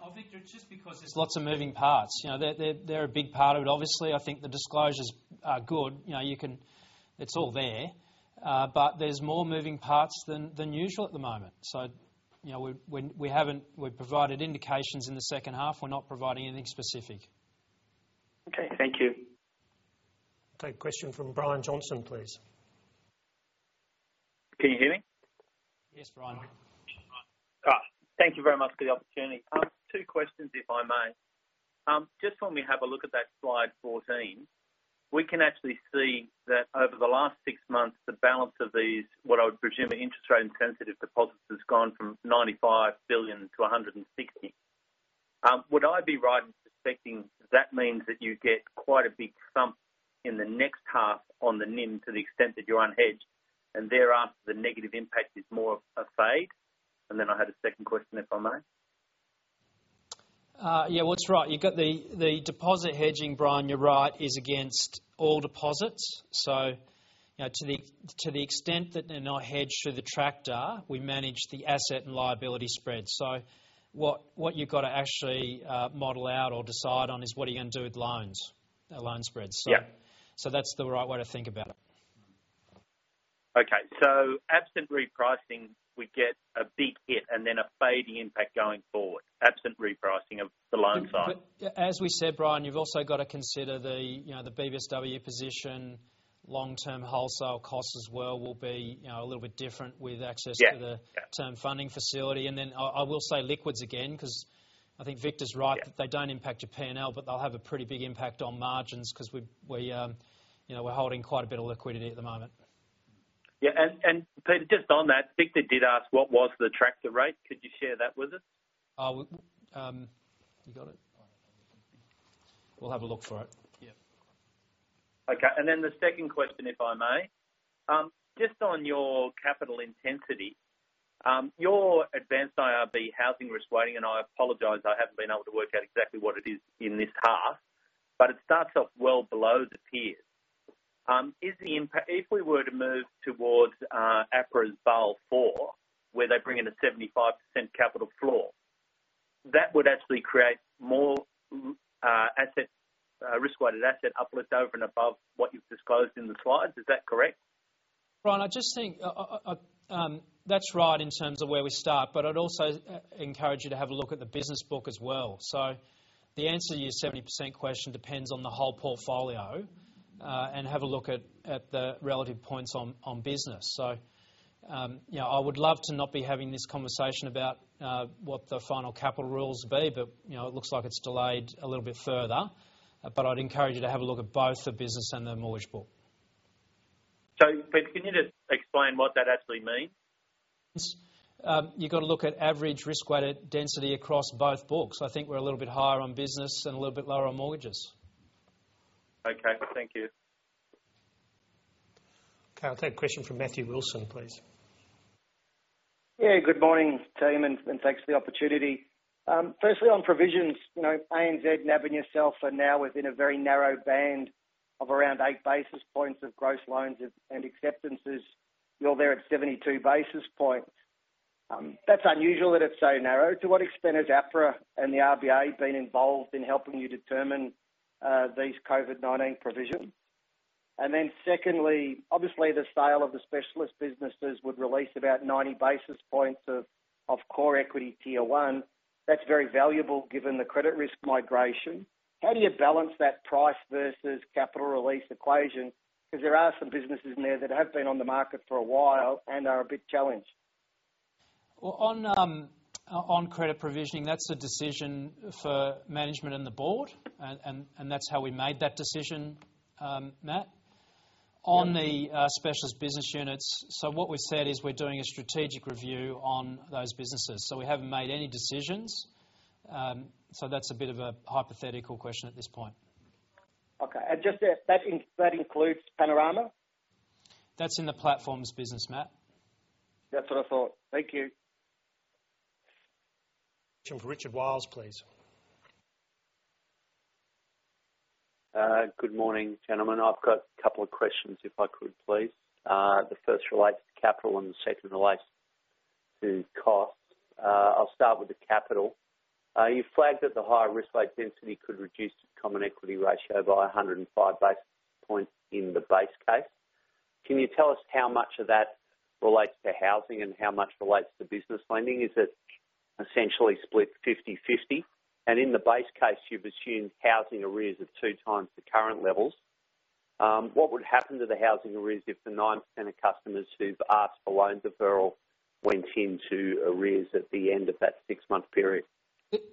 Speaker 3: Well, Victor, just because there's lots of moving parts, they're a big part of it. Obviously, I think the disclosures are good. It's all there. But there's more moving parts than usual at the moment. So we've provided indications in the second half. We're not providing anything specific.
Speaker 7: Okay. Thank you.
Speaker 3: Take a question from Brian Johnson, please.
Speaker 8: Can you hear me?
Speaker 2: Yes, Brian.
Speaker 8: Thank you very much for the opportunity. Two questions, if I may. Just when we have a look at that slide 14, we can actually see that over the last six months, the balance of these, what I would presume are interest-rate sensitive deposits, has gone from 95 billion to 160 billion. Would I be right in suspecting that means that you get quite a big thump in the next half on the NIM to the extent that you're unhedged, and thereafter the negative impact is more of a fade? And then I had a second question, if I may.
Speaker 2: Yeah, what's right? You've got the deposit hedging, Brian, you're right, is against all deposits. To the extent that they're not hedged to the tractor, we manage the asset and liability spreads. What you've got to actually model out or decide on is what are you going to do with loans, loan spreads. That's the right way to think about it.
Speaker 8: Okay. Absent repricing, we get a big hit and then a fading impact going forward. Absent repricing of the loan side.
Speaker 2: As we said, Brian, you've also got to consider the BBSW position. Long-term wholesale costs as well will be a little bit different with access to the Term Funding Facility. I will say liquids again because I think Victor's right that they don't impact your P&L, but they'll have a pretty big impact on margins because we're holding quite a bit of liquidity at the moment. Yeah.
Speaker 8: Peter, just on that, Victor did ask, what was the tractor rate? Could you share that with us?
Speaker 2: You got it?
Speaker 8: We'll have a look for it.
Speaker 2: Yeah.
Speaker 8: Okay. Then the second question, if I may. Just on your capital intensity, your Advanced IRB housing risk weighting, and I apologize, I haven't been able to work out exactly what it is in this half, but it starts off well below the peers. If we were to move towards APRA's Basel IV, where they bring in a 75% capital floor, that would actually create more risk-weighted asset uplift over and above what you've disclosed in the slides. Is that correct?
Speaker 2: Brian, I just think that's right in terms of where we start, but I'd also encourage you to have a look at the business book as well. So the answer to your 70% question depends on the whole portfolio and have a look at the relative points on business. So I would love to not be having this conversation about what the final capital rules will be, but it looks like it's delayed a little bit further. But I'd encourage you to have a look at both the business and the mortgage book.
Speaker 8: So Peter, can you just explain what that actually means?
Speaker 2: You've got to look at average risk-weighted density across both books. I think we're a little bit higher on business and a little bit lower on mortgages.
Speaker 8: Okay. Thank you.
Speaker 2: Okay. I'll take a question from Matthew Wilson, please.
Speaker 9: Yeah. Good morning, team, and thanks for the opportunity. Firstly, on provisions, ANZ and NAB and yourself are now within a very narrow band of around eight basis points of gross loans and acceptances. You’re there at 72 basis points. That’s unusual that it’s so narrow. To what extent has APRA and the RBA been involved in helping you determine these COVID-19 provisions? And then secondly, obviously, the sale of the Specialist Businesses would release about 90 basis points of Common Equity Tier 1. That’s very valuable given the credit risk migration. How do you balance that price versus capital release equation? Because there are some businesses in there that have been on the market for a while and are a bit challenged.
Speaker 2: On credit provisioning, that’s a decision for management and the Board, and that’s how we made that decision, Matt. On the Specialist Business units, so what we’ve said is we’re doing a strategic review on those businesses. So we haven’t made any decisions. So that’s a bit of a hypothetical question at this point.
Speaker 9: Okay. And just that includes Panorama?
Speaker 2: That's in the platforms business, Matt.
Speaker 9: That's what I thought. Thank you.
Speaker 2: Richard Wiles, please.
Speaker 10: Good morning, gentlemen. I've got a couple of questions, if I could, please. The first relates to capital and the second relates to costs. I'll start with the capital. You flagged that the higher risk-weighted density could reduce the common equity ratio by 105 basis points in the base case. Can you tell us how much of that relates to housing and how much relates to business lending? Is it essentially split 50/50? And in the base case, you've assumed housing arrears are two times the current levels. What would happen to the housing arrears if the 9% of customers who've asked for loan deferral went into arrears at the end of that six-month period?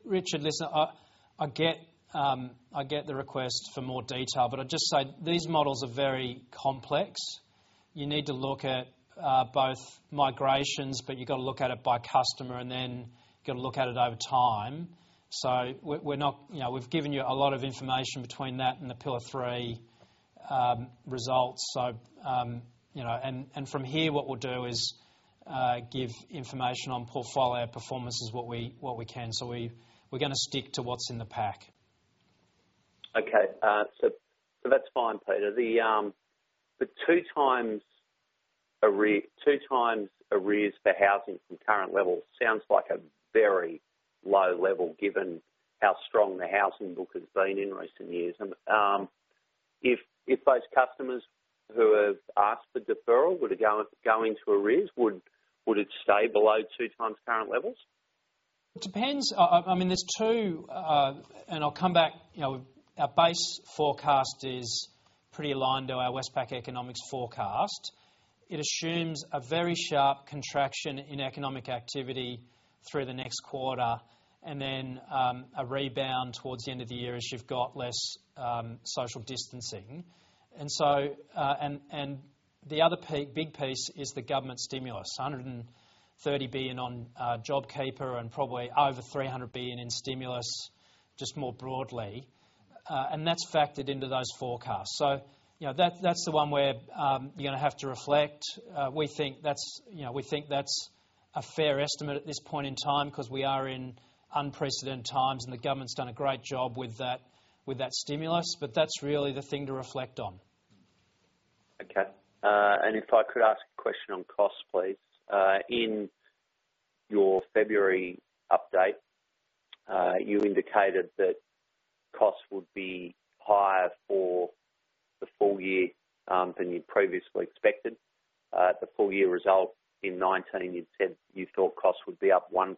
Speaker 2: Richard, listen, I get the request for more detail, but I'd just say these models are very complex. You need to look at both migrations, but you've got to look at it by customer and then you've got to look at it over time. So we've given you a lot of information between that and the Pillar 3 results, and from here, what we'll do is give information on portfolio performance as what we can. So we're going to stick to what's in the pack.
Speaker 10: Okay. So that's fine, Peter. The two times arrears for housing from current levels sounds like a very low level given how strong the housing book has been in recent years. If those customers who have asked for deferral were to go into arrears, would it stay below two times current levels?
Speaker 2: It depends. I mean, there's two, and I'll come back. Our base forecast is pretty aligned to our Westpac economics forecast. It assumes a very sharp contraction in economic activity through the next quarter and then a rebound towards the end of the year as you've got less social distancing. The other big piece is the government stimulus, 130 billion on JobKeeper and probably over 300 billion in stimulus just more broadly. That's factored into those forecasts. That's the one where you're going to have to reflect. We think that's a fair estimate at this point in time because we are in unprecedented times and the government's done a great job with that stimulus. That's really the thing to reflect on.
Speaker 10: Okay. If I could ask a question on costs, please. In your February update, you indicated that costs would be higher for the full year than you previously expected. The full year result in 2019, you said you thought costs would be up 1%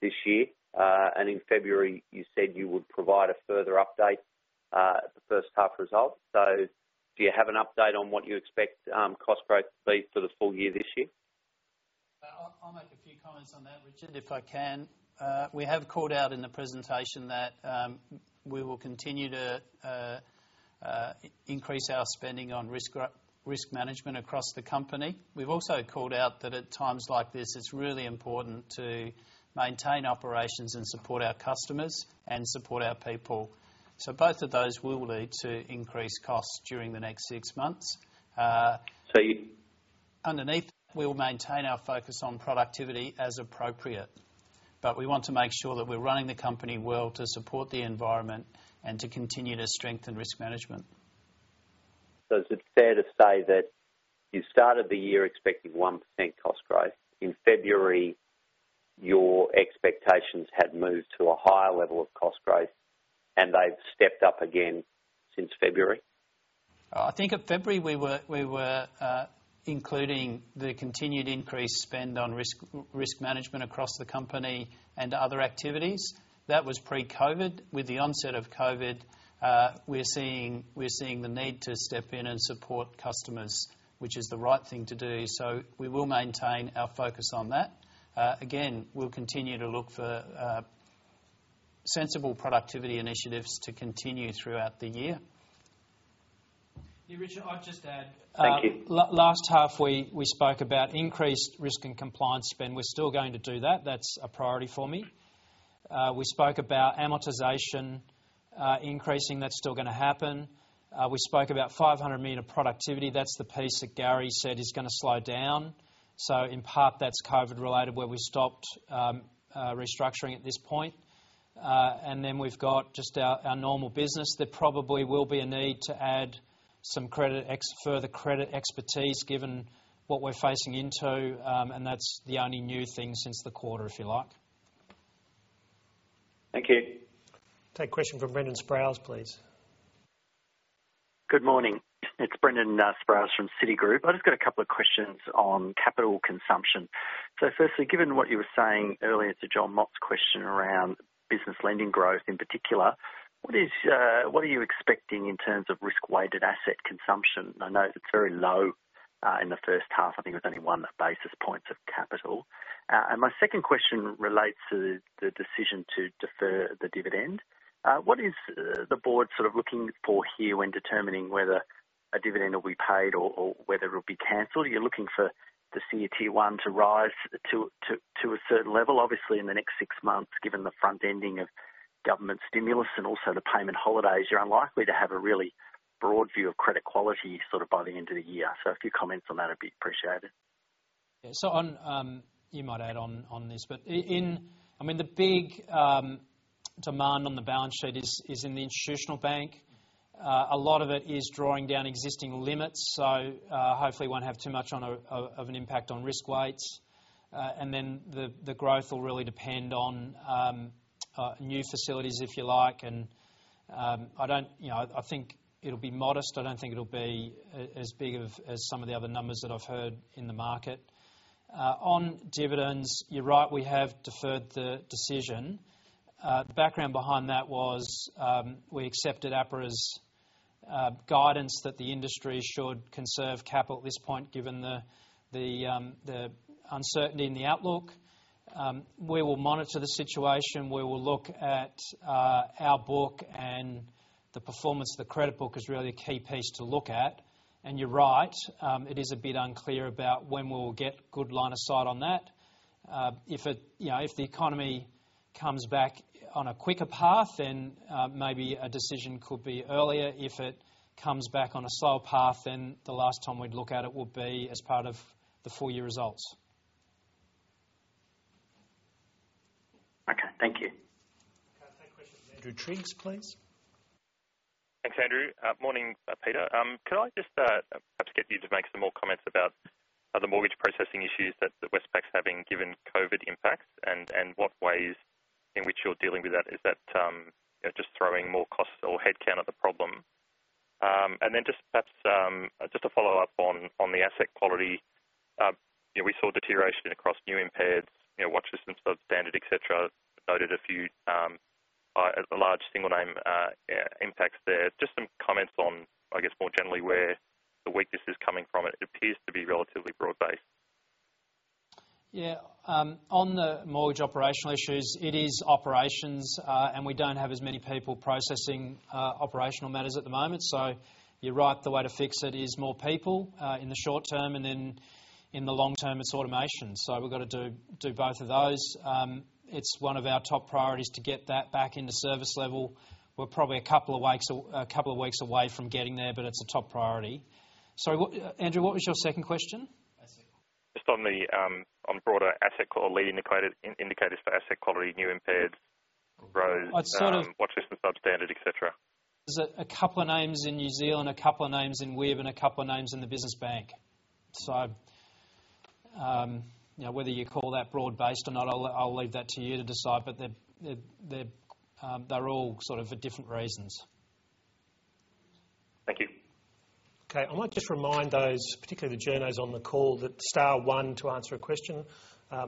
Speaker 10: this year. And in February, you said you would provide a further update at the first half result. So do you have an update on what you expect cost growth to be for the full year this year?
Speaker 3: I'll make a few comments on that, Richard, if I can. We have called out in the presentation that we will continue to increase our spending on risk management across the company. We've also called out that at times like this, it's really important to maintain operations and support our customers and support our people. So both of those will lead to increased costs during the next six months. So, too. Underneath, we will maintain our focus on productivity as appropriate. But we want to make sure that we're running the company well to support the environment and to continue to strengthen risk management.
Speaker 10: So is it fair to say that you started the year expecting 1% cost growth? In February, your expectations had moved to a higher level of cost growth, and they've stepped up again since February?
Speaker 3: I think at February, we were including the continued increased spend on risk management across the company and other activities. That was pre-COVID. With the onset of COVID, we're seeing the need to step in and support customers, which is the right thing to do. So we will maintain our focus on that. Again, we'll continue to look for sensible productivity initiatives to continue throughout the year.
Speaker 2: Yeah, Richard, I'd just add last half, we spoke about increased risk and compliance spend. We're still going to do that. That's a priority for me. We spoke about amortization increasing. That's still going to happen. We spoke about 500 million of productivity. That's the piece that Gary said is going to slow down. So in part, that's COVID-related where we stopped restructuring at this point. And then we've got just our normal business. There probably will be a need to add some further credit expertise given what we're facing into, and that's the only new thing since the quarter, if you like.
Speaker 10: Thank you.
Speaker 1: Take a question from Brendan Sproules, please.
Speaker 11: Good morning. It's Brendan Sproules from Citigroup. I just got a couple of questions on capital consumption. So firstly, given what you were saying earlier to Jon Mott's question around business lending growth in particular, what are you expecting in terms of risk-weighted asset consumption? I know it's very low in the first half. I think it was only one basis point of capital. And my second question relates to the decision to defer the dividend. What is the board sort of looking for here when determining whether a dividend will be paid or whether it will be cancelled? Are you looking for the CET1 to rise to a certain level? Obviously, in the next six months, given the front-ending of government stimulus and also the payment holidays, you're unlikely to have a really broad view of credit quality sort of by the end of the year. So a few comments on that would be appreciated.
Speaker 2: Yeah. So you might add on this, but I mean, the big demand on the balance sheet is in the Institutional Bank. A lot of it is drawing down existing limits. So hopefully, we won't have too much of an impact on risk weights. Then the growth will really depend on new facilities, if you like. I think it'll be modest. I don't think it'll be as big as some of the other numbers that I've heard in the market. On dividends, you're right, we have deferred the decision. The background behind that was we accepted APRA's guidance that the industry should conserve capital at this point given the uncertainty in the outlook. We will monitor the situation. We will look at our book and the performance of the credit book is really a key piece to look at. You're right, it is a bit unclear about when we will get good line of sight on that. If the economy comes back on a quicker path, then maybe a decision could be earlier. If it comes back on a slower path, then the last time we'd look at it would be as part of the full year results.
Speaker 11: Okay. Thank you.
Speaker 1: Take a question from Andrew Triggs, please.
Speaker 12: Thanks, Andrew. Morning, Peter. Could I just perhaps get you to make some more comments about the mortgage processing issues that Westpac's having given COVID impacts and what ways in which you're dealing with that? Is that just throwing more costs or headcount at the problem? And then just perhaps just to follow up on the asset quality, we saw deterioration across new impaired, watch lists and substandard, etc., noted a few large single-name impacts there. Just some comments on, I guess, more generally where the weakness is coming from. It appears to be relatively broad-based.
Speaker 2: Yeah. On the mortgage operational issues, it is operations, and we don't have as many people processing operational matters at the moment. So you're right, the way to fix it is more people in the short term, and then in the long term, it's automation. So we've got to do both of those. It's one of our top priorities to get that back into service level. We're probably a couple of weeks away from getting there, but it's a top priority. So Andrew, what was your second question?
Speaker 12: Just on the broader asset lead indicators for asset quality, new impaired, watch lists and substandard, etc.
Speaker 2: There's a couple of names in New Zealand, a couple of names in WIB, and a couple of names in the Business Bank. So whether you call that broad-based or not, I'll leave that to you to decide, but they're all sort of for different reasons.
Speaker 12: Thank you.
Speaker 1: Okay. I might just remind those, particularly the journos on the call, that star one to answer a question.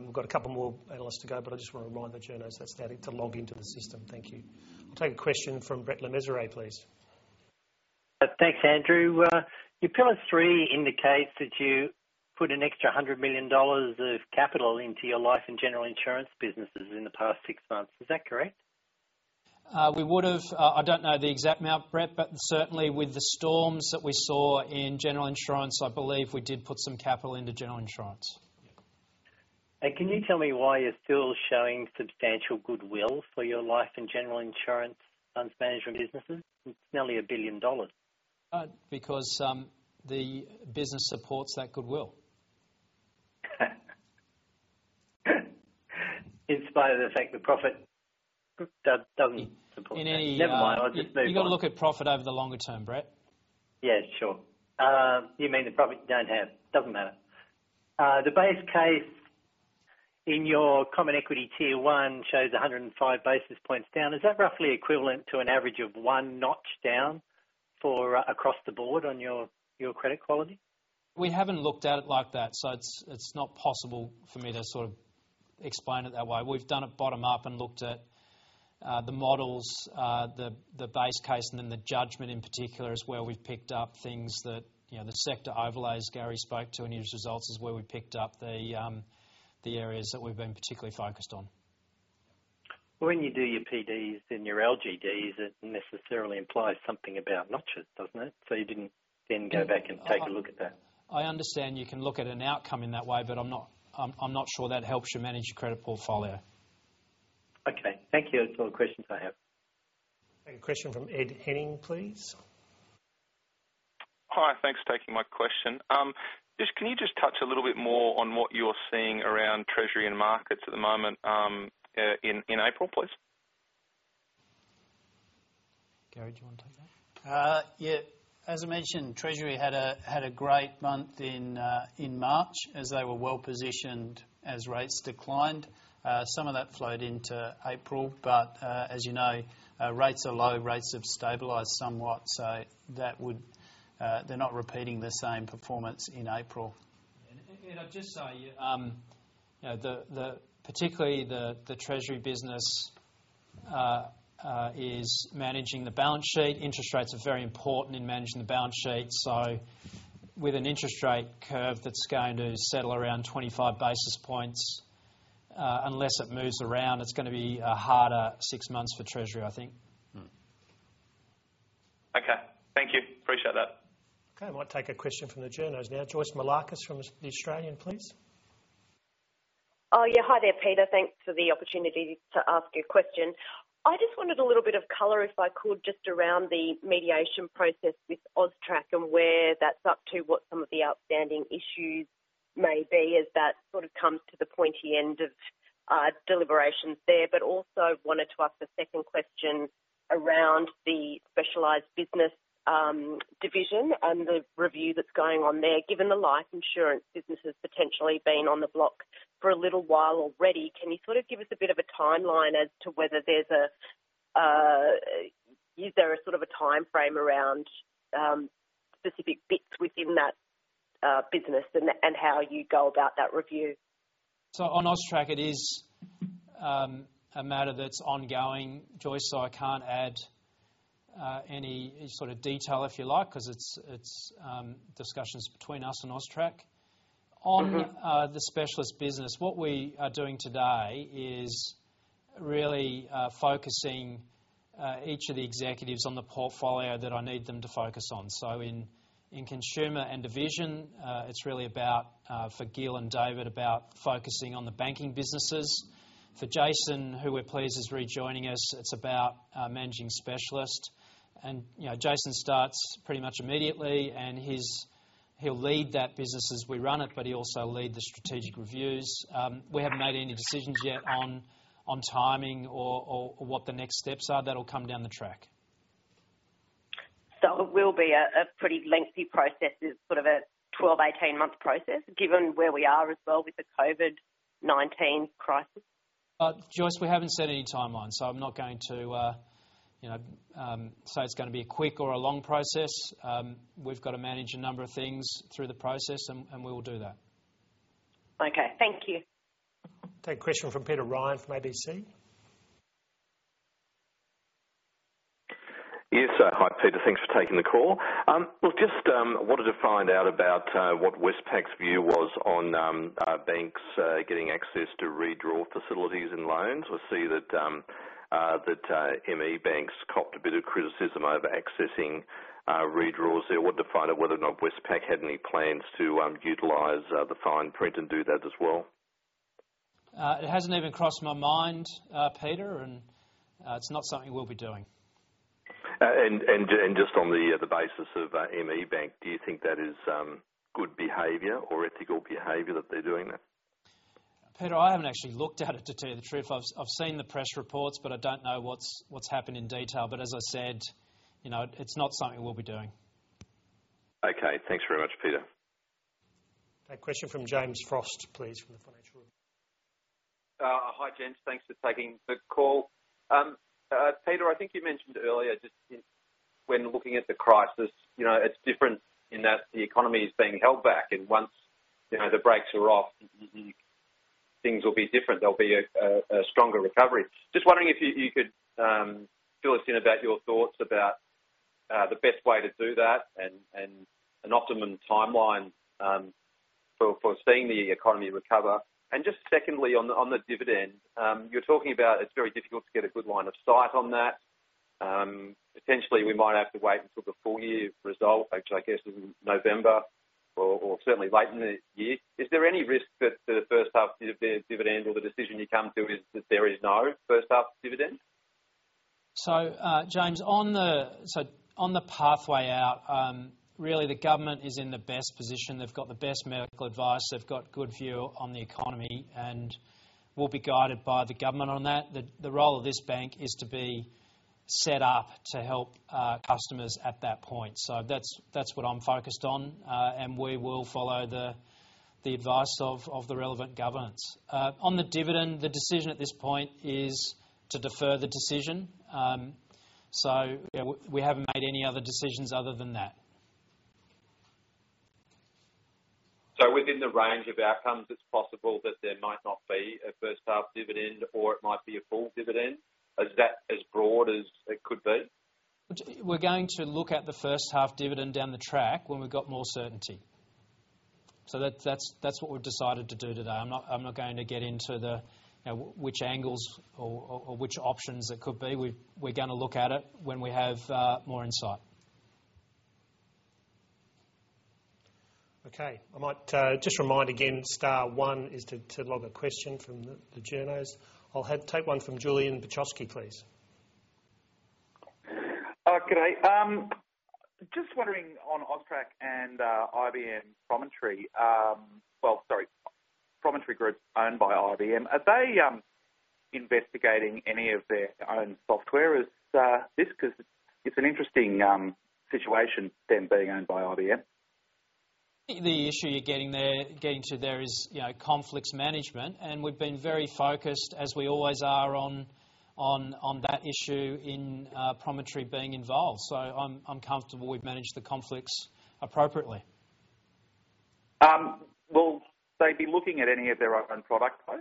Speaker 1: We've got a couple more analysts to go, but I just want to remind the journos that's there to log into the system. Thank you. I'll take a question from Brett Le Mesurier, please.
Speaker 13: Thanks, Andrew. Your Pillar 3 indicates that you put an extra 100 million dollars of capital into your life and general insurance businesses in the past six months. Is that correct?
Speaker 2: We would have. I don't know the exact amount, Brett, but certainly with the storms that we saw in general insurance, I believe we did put some capital into general insurance.
Speaker 13: And can you tell me why you're still showing substantial goodwill for your life and general insurance funds management businesses? It's nearly 1 billion dollars.
Speaker 2: Because the business supports that goodwill.
Speaker 13: In spite of the fact that profit doesn't support that. Never mind. I'll just move on.
Speaker 2: You've got to look at profit over the longer term, Brett.
Speaker 13: Yeah, sure. You mean the profit you don't have. Doesn't matter. The base case in your Common Equity Tier 1 shows 105 basis points down. Is that roughly equivalent to an average of one notch down across the board on your credit quality?
Speaker 2: We haven't looked at it like that, so it's not possible for me to sort of explain it that way. We've done it bottom-up and looked at the models, the base case, and then the judgment in particular as well. We've picked up things that the sector overlays Gary spoke to in his results, is where we picked up the areas that we've been particularly focused on.
Speaker 13: When you do your PDs and your LGDs, it necessarily implies something about notches, doesn't it? So you didn't then go back and take a look at that.
Speaker 2: I understand you can look at an outcome in that way, but I'm not sure that helps you manage your credit portfolio.
Speaker 13: Okay. Thank you. That's all the questions I have.
Speaker 1: A question from Ed Henning, please.
Speaker 14: Hi. Thanks for taking my question. Can you just touch a little bit more on what you're seeing around Treasury and Markets at the moment in April, please?
Speaker 2: Gary, do you want to take that?
Speaker 3: Yeah. As I mentioned, Treasury had a great month in March as they were well positioned as rates declined. Some of that flowed into April, but as you know, rates are low. Rates have stabilized somewhat, so they're not repeating the same performance in April.
Speaker 2: And I'd just say particularly the Treasury business is managing the balance sheet. Interest rates are very important in managing the balance sheet. So with an interest rate curve that's going to settle around 25 basis points, unless it moves around, it's going to be a harder six months for Treasury, I think.
Speaker 14: Okay. Thank you. Appreciate that.
Speaker 1: Okay. I might take a question from the journos now. Joyce Moullakis from The Australian, please.
Speaker 15: Oh, yeah. Hi there, Peter. Thanks for the opportunity to ask you a question. I just wanted a little bit of color, if I could, just around the mediation process with AUSTRAC and where that's up to, what some of the outstanding issues may be as that sort of comes to the pointy end of deliberations there. But also wanted to ask a second question around the Specialized Business division and the review that's going on there. Given the life insurance business has potentially been on the block for a little while already, can you sort of give us a bit of a timeline as to whether there's a sort of a timeframe around specific bits within that business and how you go about that review?
Speaker 2: So on AUSTRAC, it is a matter that's ongoing. Joyce, I can't add any sort of detail if you like because it's discussions between us and AUSTRAC. On the Specialist Business, what we are doing today is really focusing each of the executives on the portfolio that I need them to focus on. So in Consumer and division, it's really about, for Guil and David, about focusing on the banking businesses. For Jason, who we're pleased is rejoining us, it's about managing specialist. And Jason starts pretty much immediately, and he'll lead that business as we run it, but he'll also lead the strategic reviews. We haven't made any decisions yet on timing or what the next steps are. That'll come down the track.
Speaker 15: So it will be a pretty lengthy process. It's sort of a 12-18-month process given where we are as well with the COVID-19 crisis.
Speaker 2: Joyce, we haven't set any timeline, so I'm not going to say it's going to be a quick or a long process. We've got to manage a number of things through the process, and we will do that.
Speaker 15: Okay. Thank you.
Speaker 1: Take a question from Peter Ryan from ABC.
Speaker 16: Yes, hi, Peter. Thanks for taking the call. Just wanted to find out about what Westpac's view was on banks getting access to redraw facilities and loans. I see that ME Bank copped a bit of criticism over accessing redraws. I wanted to find out whether or not Westpac had any plans to utilize the fine print and do that as well.
Speaker 2: It hasn't even crossed my mind, Peter, and it's not something we'll be doing.
Speaker 16: And just on the basis of ME Bank, do you think that is good behavior or ethical behavior that they're doing that?
Speaker 2: Peter, I haven't actually looked at it to tell you the truth. I've seen the press reports, but I don't know what's happened in detail. But as I said, it's not something we'll be doing.
Speaker 16: Okay. Thanks very much, Peter.
Speaker 2: Take a question from James Frost, please, from the Financial Review.
Speaker 17: Hi, James. Thanks for taking the call. Peter, I think you mentioned earlier just when looking at the crisis, it's different in that the economy is being held back. And once the brakes are off, things will be different. There'll be a stronger recovery. Just wondering if you could fill us in about your thoughts about the best way to do that and an optimum timeline for seeing the economy recover. And just secondly, on the dividend, you're talking about it's very difficult to get a good line of sight on that. Potentially, we might have to wait until the full year result, which I guess is November or certainly late in the year. Is there any risk that the first half of the dividend or the decision you come to is that there is no first half dividend?
Speaker 2: So James, on the pathway out, really the government is in the best position. They've got the best medical advice. They've got good view on the economy and will be guided by the government on that. The role of this bank is to be set up to help customers at that point. So that's what I'm focused on, and we will follow the advice of the relevant governance. On the dividend, the decision at this point is to defer the decision. So we haven't made any other decisions other than that.
Speaker 17: So within the range of outcomes, it's possible that there might not be a first half dividend or it might be a full dividend. Is that as broad as it could be?
Speaker 2: We're going to look at the first half dividend down the track when we've got more certainty. So that's what we've decided to do today. I'm not going to get into which angles or which options it could be. We're going to look at it when we have more insight.
Speaker 1: Okay. I might just remind again, star one is to log a question from the journos. I'll take one from Julian Bajkowski, please. Okay. Just wondering on AUSTRAC and IBM Promontory, well, sorry, Promontory Group owned by IBM. Are they investigating any of their own software? Because it's an interesting situation them being owned by IBM.
Speaker 2: The issue you're getting to there is conflicts management, and we've been very focused, as we always are, on that issue in Promontory being involved. So I'm comfortable we've managed the conflicts appropriately. Will they be looking at any of their own product, though?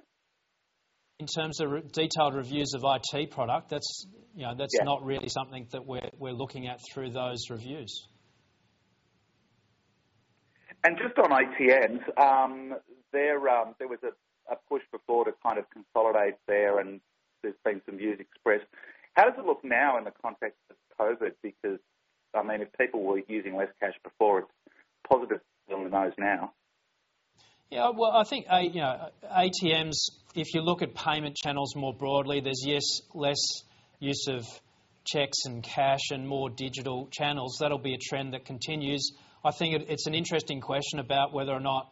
Speaker 2: In terms of detailed reviews of IT product, that's not really something that we're looking at through those reviews. And just on IT end, there was a push before to kind of consolidate there, and there's been some views expressed. How does it look now in the context of COVID? Because I mean, if people were using less cash before, it's positive on the nose now. Yeah. Well, I think ATMs, if you look at payment channels more broadly, there's less use of checks and cash and more digital channels. That'll be a trend that continues. I think it's an interesting question about whether or not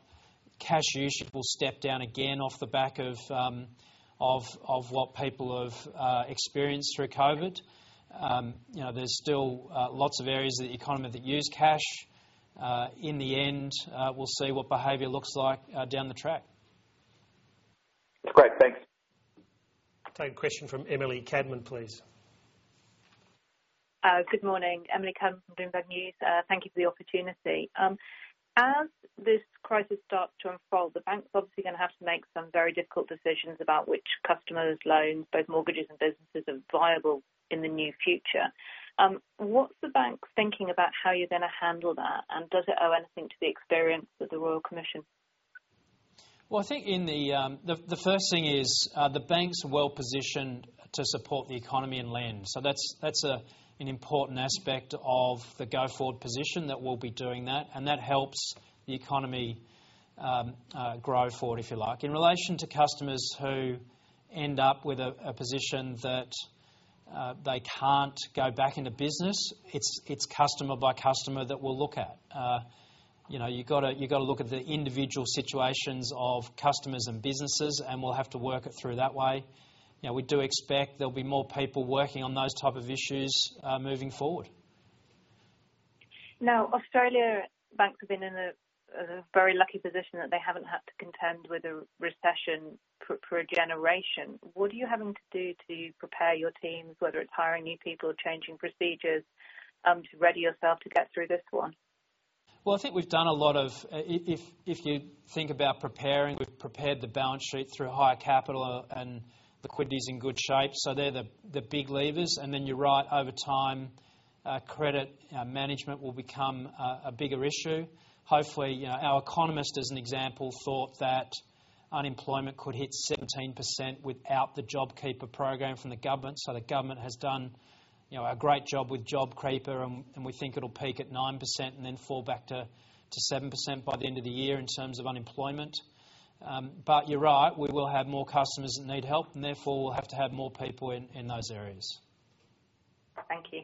Speaker 2: cash use will step down again off the back of what people have experienced through COVID. There's still lots of areas of the economy that use cash. In the end, we'll see what behavior looks like down the track. That's great. Thanks.
Speaker 1: Take a question from Emily Cadman, please. Good morning.
Speaker 18: Emily Cadman, Bloomberg News. Thank you for the opportunity. As this crisis starts to unfold, the bank's obviously going to have to make some very difficult decisions about which customers' loans, both mortgages and businesses, are viable in the near future. What's the bank's thinking about how you're going to handle that, and does it owe anything to the experience of the Royal Commission?
Speaker 2: Well, I think the first thing is the banks are well positioned to support the economy and lend. So that's an important aspect of the go-forward position that we'll be doing that, and that helps the economy grow forward, if you like. In relation to customers who end up with a position that they can't go back into business, it's customer by customer that we'll look at. You've got to look at the individual situations of customers and businesses, and we'll have to work it through that way. We do expect there'll be more people working on those types of issues moving forward.
Speaker 18: Now, Australian banks have been in a very lucky position that they haven't had to contend with a recession for a generation. What are you having to do to prepare your teams, whether it's hiring new people or changing procedures, to ready yourself to get through this one?
Speaker 2: Well, I think we've done a lot. If you think about preparing, we've prepared the balance sheet through higher capital and liquidity is in good shape. So they're the big levers and then you're right, over time, credit management will become a bigger issue. Hopefully, our economist, as an example, thought that unemployment could hit 17% without the JobKeeper program from the government. So the government has done a great job with JobKeeper, and we think it'll peak at 9% and then fall back to 7% by the end of the year in terms of unemployment. But you're right, we will have more customers that need help, and therefore we'll have to have more people in those areas.
Speaker 18: Thank you.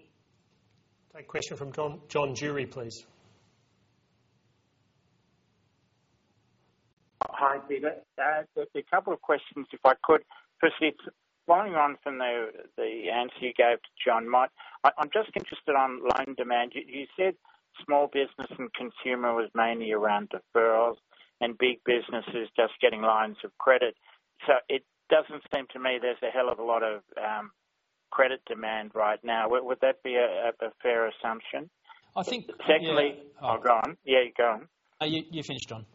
Speaker 2: Take a question from John Jury, please.
Speaker 19: Hi, Peter. There's a couple of questions, if I could. Firstly, following on from the answer you gave to John, I'm just interested on loan demand. You said small business and Consumer was mainly around deferrals and big businesses just getting lines of credit. So it doesn't seem to me there's a hell of a lot of credit demand right now. Would that be a fair assumption?
Speaker 2: I think.
Speaker 19: Secondly. Oh, go on. Yeah, you go on.
Speaker 2: You finished, John.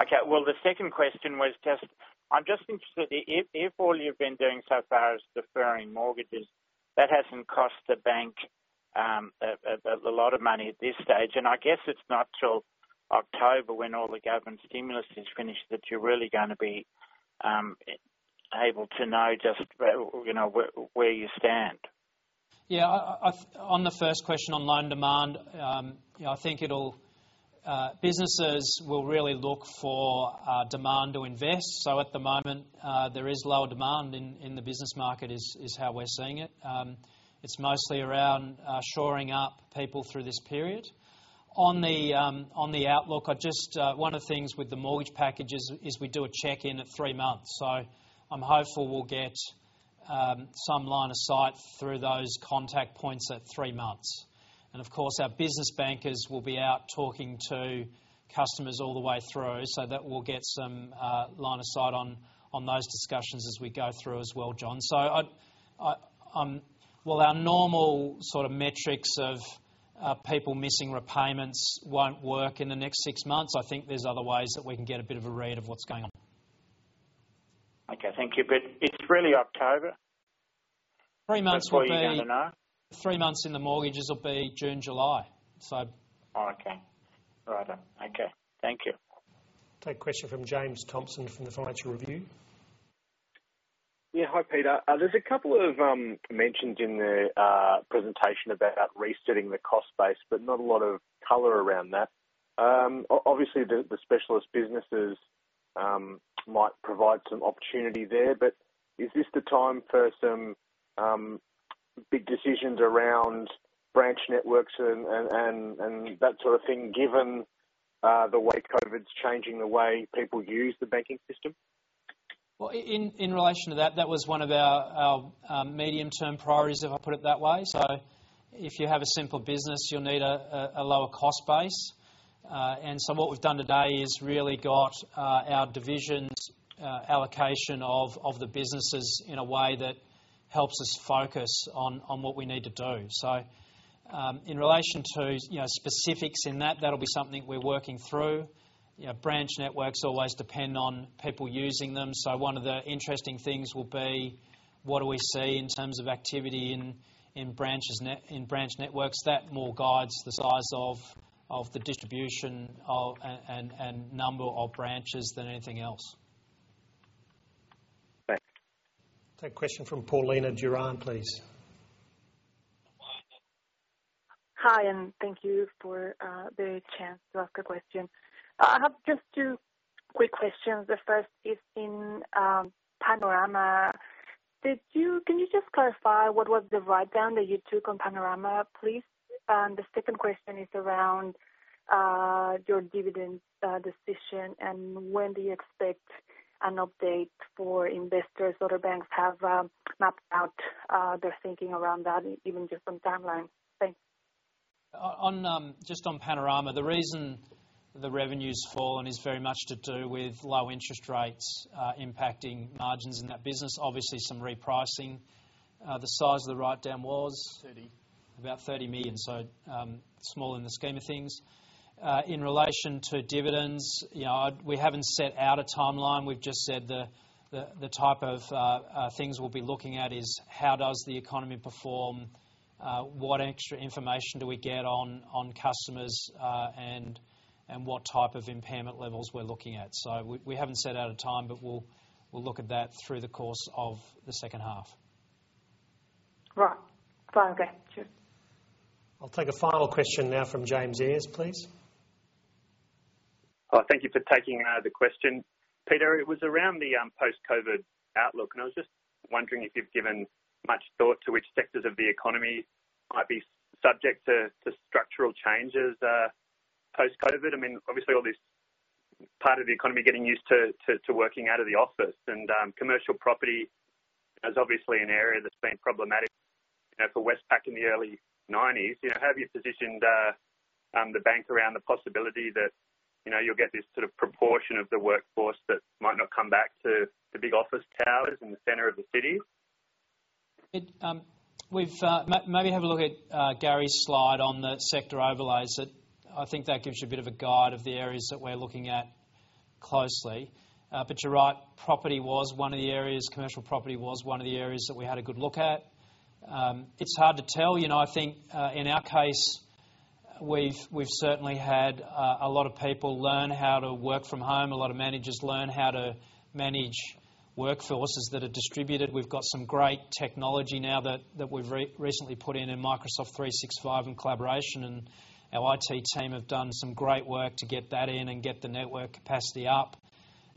Speaker 19: Okay. The second question was just, I'm just interested if all you've been doing so far is deferring mortgages. That hasn't cost the bank a lot of money at this stage. I guess it's not until October when all the government stimulus is finished that you're really going to be able to know just where you stand.
Speaker 2: Yeah. On the first question on loan demand, I think businesses will really look for demand to invest. At the moment, there is lower demand in the business market is how we're seeing it. It's mostly around shoring up people through this period. On the outlook, one of the things with the mortgage packages is we do a check-in at three months. I'm hopeful we'll get some line of sight through those contact points at three months. And of course, our business bankers will be out talking to customers all the way through, so that we'll get some line of sight on those discussions as we go through as well, John. So while our normal sort of metrics of people missing repayments won't work in the next six months, I think there's other ways that we can get a bit of a read of what's going on.
Speaker 19: Okay. Thank you. But it's really October?
Speaker 2: Three months will be in the no. Three months in the mortgages will be June, July. So.
Speaker 19: Okay. Right. Okay. Thank you.
Speaker 1: Take a question from James Thomson from the Financial Review.
Speaker 20: Yeah. Hi, Peter. There's a couple of mentions in the presentation about resetting the cost base, but not a lot of color around that. Obviously, the Specialist Businesses might provide some opportunity there, but is this the time for some big decisions around branch networks and that sort of thing given the way COVID's changing the way people use the banking system?
Speaker 2: Well, in relation to that, that was one of our medium-term priorities, if I put it that way. So if you have a simple business, you'll need a lower cost base. And so what we've done today is really got our divisions' allocation of the businesses in a way that helps us focus on what we need to do. So in relation to specifics in that, that'll be something we're working through. Branch networks always depend on people using them. So one of the interesting things will be what do we see in terms of activity in branch networks. That more guides the size of the distribution and number of branches than anything else.
Speaker 20: Thanks.
Speaker 1: Take a question from Paulina Duran, please.
Speaker 21: Hi, and thank you for the chance to ask a question. I have just two quick questions. The first is in Panorama. Can you just clarify what was the write-down that you took on Panorama, please? And the second question is around your dividend decision, and when do you expect an update for investors? Other banks have mapped out their thinking around that, even just on timeline. Thanks.
Speaker 2: Just on Panorama, the reason the revenues fallen is very much to do with low interest rates impacting margins in that business. Obviously, some repricing. The size of the write-down was 30 million. So small in the scheme of things. In relation to dividends, we haven't set out a timeline. We've just said the type of things we'll be looking at is how does the economy perform, what extra information do we get on customers, and what type of impairment levels we're looking at. So we haven't set out a time, but we'll look at that through the course of the second half.
Speaker 21: Right. Fine. Okay. Sure.
Speaker 1: I'll take a final question now from James Eyers, please.
Speaker 22: Thank you for taking the question. Peter, it was around the post-COVID outlook, and I was just wondering if you've given much thought to which sectors of the economy might be subject to structural changes post-COVID. I mean, obviously, all this part of the economy getting used to working out of the office. And commercial property is obviously an area that's been problematic for Westpac in the early 1990s. How have you positioned the bank around the possibility that you'll get this sort of proportion of the workforce that might not come back to the big office towers in the center of the city?
Speaker 2: Maybe have a look at Gary's slide on the sector overlays. I think that gives you a bit of a guide of the areas that we're looking at closely. But you're right, commercial property was one of the areas that we had a good look at. It's hard to tell. I think in our case, we've certainly had a lot of people learn how to work from home. A lot of managers learn how to manage workforces that are distributed. We've got some great technology now that we've recently put in in Microsoft 365 in collaboration, and our IT team have done some great work to get that in and get the network capacity up.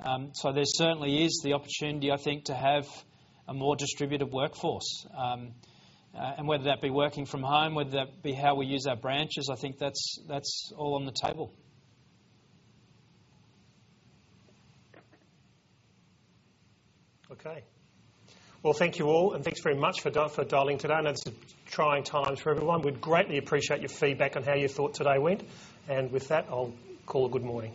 Speaker 2: There certainly is the opportunity, I think, to have a more distributed workforce. And whether that be working from home, whether that be how we use our branches, I think that's all on the table.
Speaker 1: Okay. Well, thank you all, and thanks very much for dialing today. I know this is trying times for everyone. We'd greatly appreciate your feedback on how your thought today went. And with that, I'll call it a good morning.